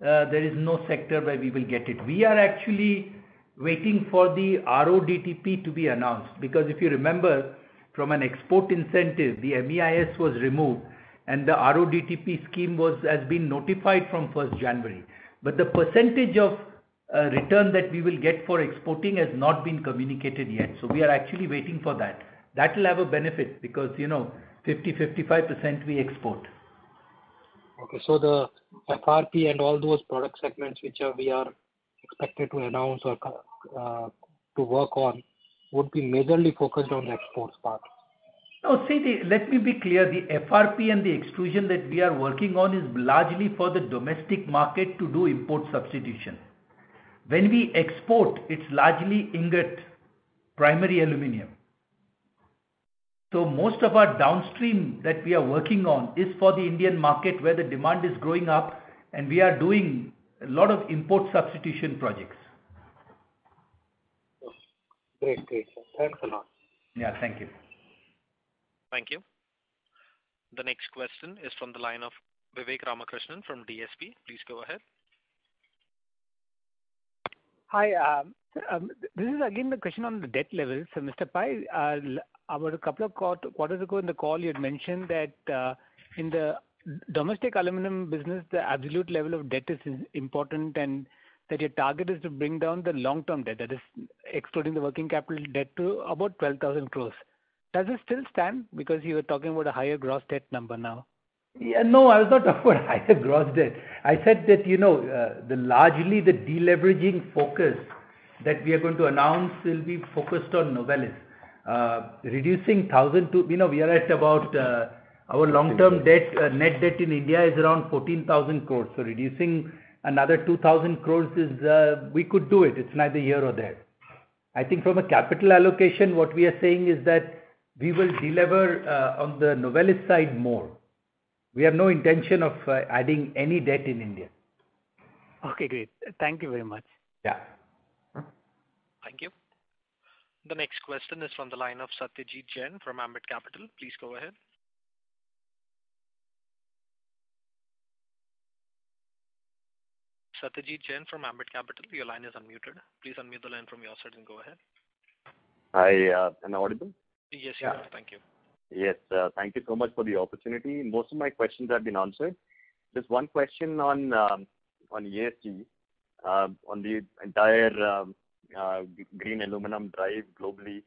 there is no sector where we will get it. We are actually waiting for the RoDTEP to be announced, because if you remember, from an export incentive, the MEIS was removed, and the RoDTEP scheme has been notified from 1st January. The percentage of return that we will get for exporting has not been communicated yet. We are actually waiting for that. That will have a benefit because 50%-55% we export. The FRP and all those product segments which we are expected to announce or to work on would be majorly focused on the export part. No. See, let me be clear. The FRP and the extrusion that we are working on is largely for the domestic market to do import substitution. When we export, it's largely ingot primary aluminum. Most of our downstream that we are working on is for the Indian market, where the demand is growing up and we are doing a lot of import substitution projects. Great, sir. Thanks a lot. Yeah. Thank you. Thank you. The next question is from the line of Vivek Ramakrishnan from DSP. Please go ahead. Hi. This is again the question on the debt level. Mr. Pai, about a couple of quarters ago in the call you had mentioned that in the domestic aluminum business, the absolute level of debt is important, and that your target is to bring down the long-term debt. That is, excluding the working capital debt to about 12,000 crores. Does it still stand because you were talking about a higher gross debt number now? No, I was not talking about higher gross debt. I said that largely the deleveraging focus that we are going to announce will be focused on Novelis. Our long-term debt, net debt in India is around 14,000 crores. Reducing another 2,000 crores, we could do it. It's neither here or there. I think from a capital allocation, what we are saying is that we will delever on the Novelis side more. We have no intention of adding any debt in India. Okay, great. Thank you very much. Yeah. Thank you. The next question is on the line of Satyadeep Jain from Ambit Capital. Please go ahead. Satyadeep Jain from Ambit Capital, your line is unmuted. Please unmute the line from your side and go ahead. Hi. Am I audible? Yes, you are. Thank you. Yes. Thank you so much for the opportunity. Most of my questions have been answered. Just one question on ESG, on the entire green aluminum drive globally.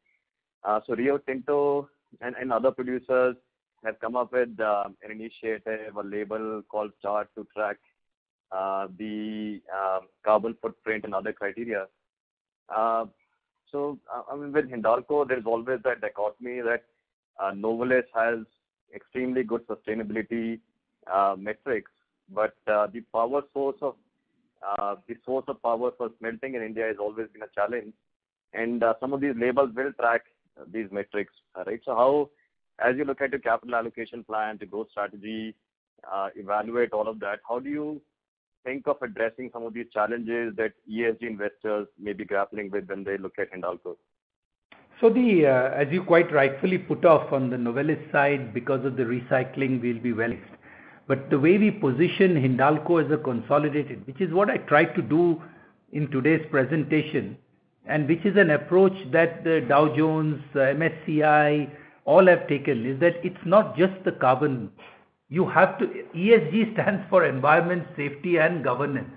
Rio Tinto and other producers have come up with an initiative, a label called [START] to track the carbon footprint and other criteria. With Hindalco, there's always that dichotomy that Novelis has extremely good sustainability metrics. The source of power for smelting in India has always been a challenge, and some of these labels will track these metrics. Right? As you look at your capital allocation plan, the growth strategy, evaluate all of that, how do you think of addressing some of these challenges that ESG investors may be grappling with when they look at Hindalco? As you quite rightfully put off on the Novelis side, because of the recycling, we'll be well. The way we position Hindalco as a consolidated, which is what I tried to do in today's presentation, and which is an approach that the Dow Jones, MSCI, all have taken, is that it's not just the carbon. ESG stands for environment, safety, and governance.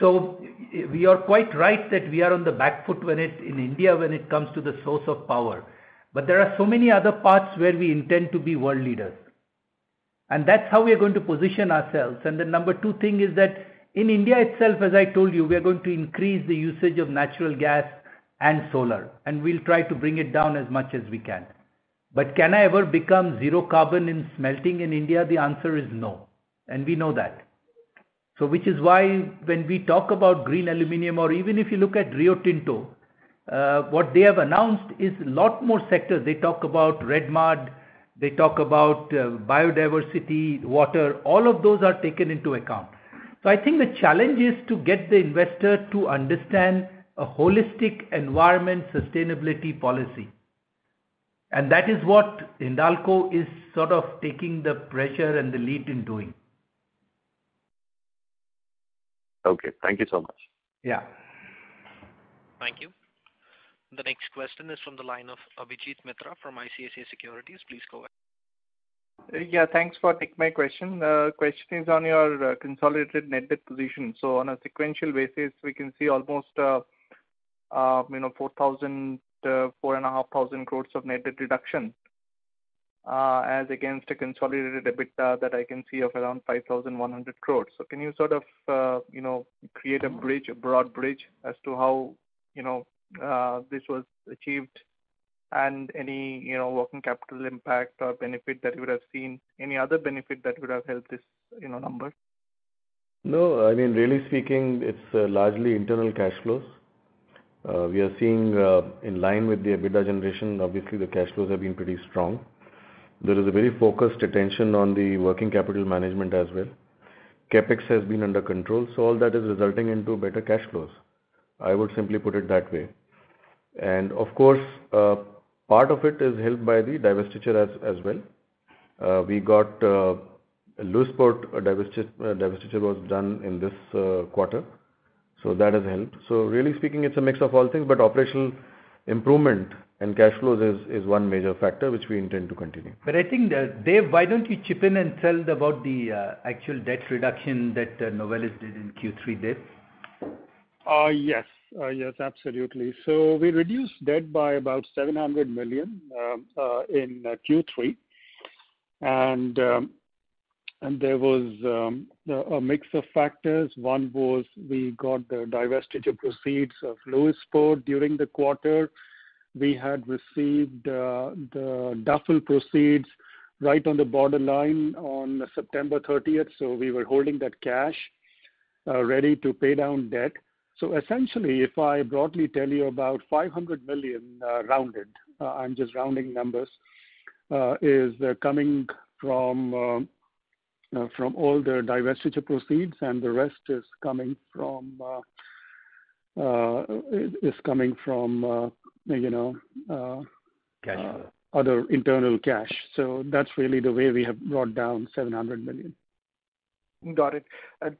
You are quite right that we are on the back foot in India when it comes to the source of power. There are so many other parts where we intend to be world leaders, and that's how we are going to position ourselves. The number two thing is that in India itself, as I told you, we are going to increase the usage of natural gas and solar, and we'll try to bring it down as much as we can. Can I ever become zero carbon in smelting in India? The answer is no, and we know that. Which is why when we talk about green aluminum, or even if you look at Rio Tinto, what they have announced is a lot more sectors. They talk about red mud, they talk about biodiversity, water. All of those are taken into account. I think the challenge is to get the investor to understand a holistic environment sustainability policy, and that is what Hindalco is sort of taking the pressure and the lead in doing. Okay. Thank you so much. Yeah. Thank you. The next question is from the line of Abhijit Mitra from ICICI Securities. Please go ahead. Yeah. Thanks for taking my question. Question is on your consolidated net debt position. On a sequential basis, we can see almost 4,000 crore-4,500 crore of net debt reduction, as against a consolidated EBITDA that I can see of around 5,100 crore. Can you sort of create a broad bridge as to how this was achieved and any working capital impact or benefit that you would have seen, any other benefit that would have helped this number? Really speaking, it's largely internal cash flows. We are seeing in line with the EBITDA generation, obviously the cash flows have been pretty strong. There is a very focused attention on the working capital management as well. CapEx has been under control, all that is resulting into better cash flows. I would simply put it that way. Of course, part of it is helped by the divestiture as well. Lewisport divestiture was done in this quarter, that has helped. Really speaking, it's a mix of all things, operational improvement and cash flows is one major factor which we intend to continue. I think, Dev, why don't you chip in and tell about the actual debt reduction that Novelis did in Q3, Dev? Yes, absolutely. We reduced debt by about $700 million in Q3. There was a mix of factors. One was we got the divestiture proceeds of Lewisport during the quarter. We had received the Duffel proceeds right on the borderline on September 30th. We were holding that cash, ready to pay down debt. Essentially, if I broadly tell you about $500 million, rounded, I'm just rounding numbers, is coming from all the divestiture proceeds, and the rest is coming from Cash flow. Other internal cash. That's really the way we have brought down 700 million. Got it.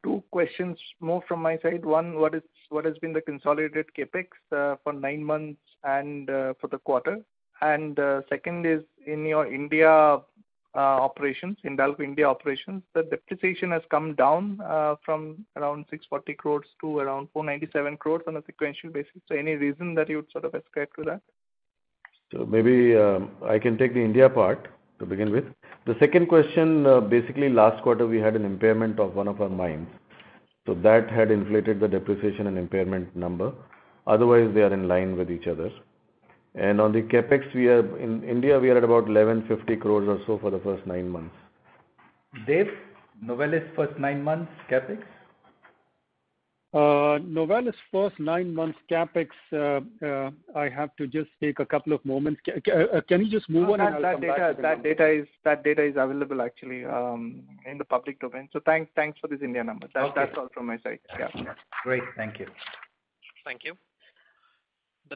Two questions more from my side. One, what has been the consolidated CapEx for nine months and for the quarter? Second is, in your India operations, Hindalco India operations, the depreciation has come down from around 640 crore to around 497 crore on a sequential basis. Any reason that you would sort of ascribe to that? Maybe I can take the India part to begin with. The second question, basically last quarter, we had an impairment of one of our mines. That had inflated the depreciation and impairment number. Otherwise, they are in line with each other. On the CapEx, in India, we are at about 1,150 crores or so for the first nine months. Dev, Novelis' first nine months CapEx? Novelis first nine months CapEx, I have to just take a couple of moments. Can you just move on, and I'll come back to that one? That data is available actually in the public domain. Thanks for this India numbers. Okay. That's all from my side. Yeah. Great. Thank you. Thank you.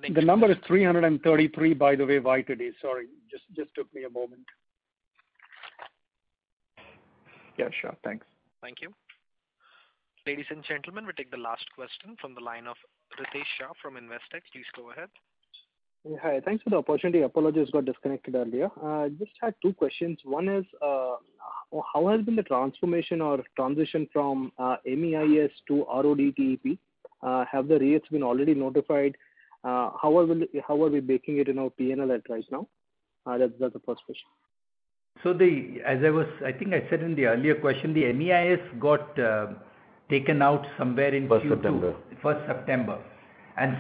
The number is 333 by the way, YTD. Sorry, just took me a moment. Yeah, sure. Thanks. Thank you. Ladies and gentlemen, we'll take the last question from the line of Ritesh Shah from Investec. Please go ahead. Hi. Thanks for the opportunity. Apologies, got disconnected earlier. I just had two questions. One is, how has been the transformation or transition from MEIS to RoDTEP? Have the rates been already notified? How are we baking it in our P&L right now? That's the first question. I think I said in the earlier question, the MEIS got taken out somewhere in Q2. 1st September. 1st September.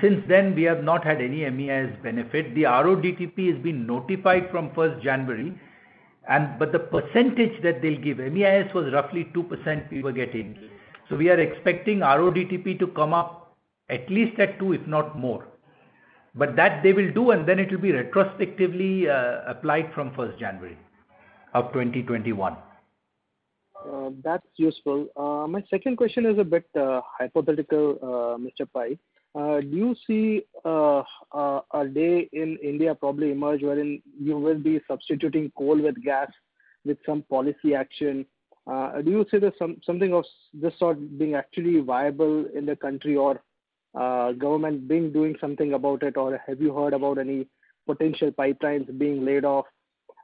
Since then, we have not had any MEIS benefit. The RoDTEP has been notified from 1st January, the percentage that they'll give, MEIS was roughly 2% we were getting. We are expecting RoDTEP to come up at least at two, if not more. That they will do, and then it will be retrospectively applied from 1st January of 2021. That's useful. My second question is a bit hypothetical, Mr. Pai. Do you see a day in India probably emerge wherein you will be substituting coal with gas with some policy action? Do you see something of this sort being actually viable in the country or government doing something about it? Have you heard about any potential pipelines being laid,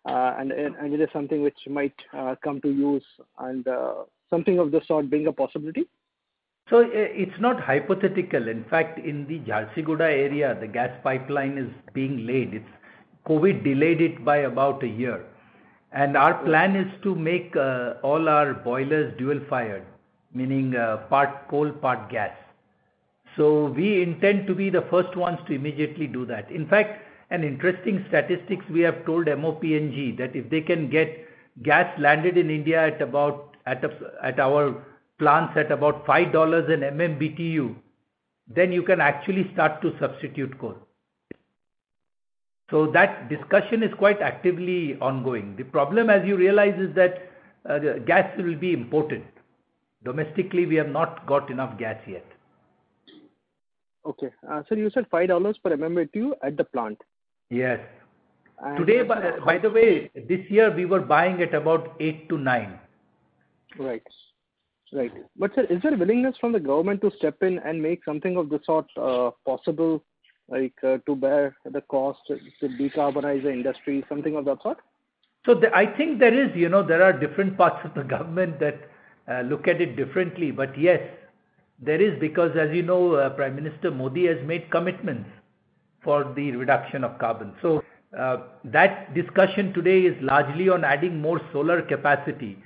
and it is something which might come to use and something of the sort being a possibility? It's not hypothetical. In fact, in the Jharsuguda area, the gas pipeline is being laid. COVID delayed it by about a year. Our plan is to make all our boilers dual-fired, meaning part coal, part gas. We intend to be the first ones to immediately do that. In fact, an interesting statistics we have told MoPNG that if they can get gas landed in India at our plants at about $5 in MMBTU, you can actually start to substitute coal. That discussion is quite actively ongoing. The problem, as you realize, is that gas will be imported. Domestically, we have not got enough gas yet. Okay. Sir, you said INR 5 per MMBTU at the plant? Yes. By the way, this year, we were buying at about 8-9. Right. Sir, is there a willingness from the government to step in and make something of the sort possible to bear the cost to decarbonize the industry, something of that sort? I think there are different parts of the government that look at it differently. Yes, there is because as you know, Prime Minister Modi has made commitments for the reduction of carbon. That discussion today is largely on adding more solar capacity.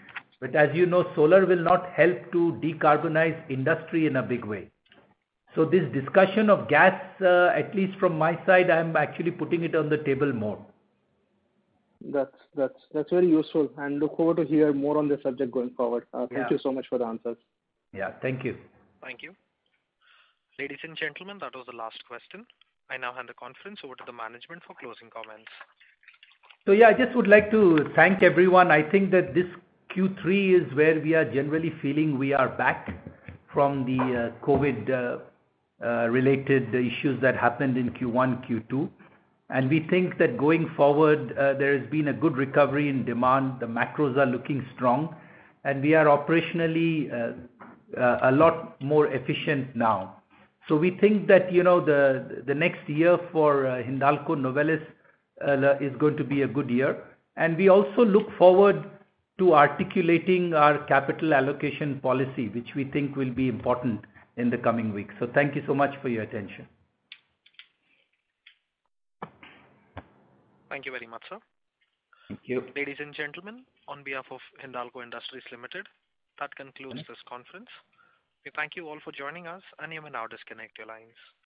As you know, solar will not help to decarbonize industry in a big way. This discussion of gas, at least from my side, I'm actually putting it on the table more. That's very useful, and look forward to hear more on this subject going forward. Yeah. Thank you so much for the answers. Yeah. Thank you. Thank you. Ladies and gentlemen, that was the last question. I now hand the conference over to the management for closing comments. Yeah, I just would like to thank everyone. I think that this Q3 is where we are generally feeling we are back from the COVID-related issues that happened in Q1, Q2. We think that going forward, there has been a good recovery in demand. The macros are looking strong, and we are operationally a lot more efficient now. We think that the next year for Hindalco Novelis is going to be a good year, and we also look forward to articulating our capital allocation policy, which we think will be important in the coming weeks. Thank you so much for your attention. Thank you very much, sir. Thank you. Ladies and gentlemen, on behalf of Hindalco Industries Limited, that concludes this conference. We thank you all for joining us, and you may now disconnect your lines.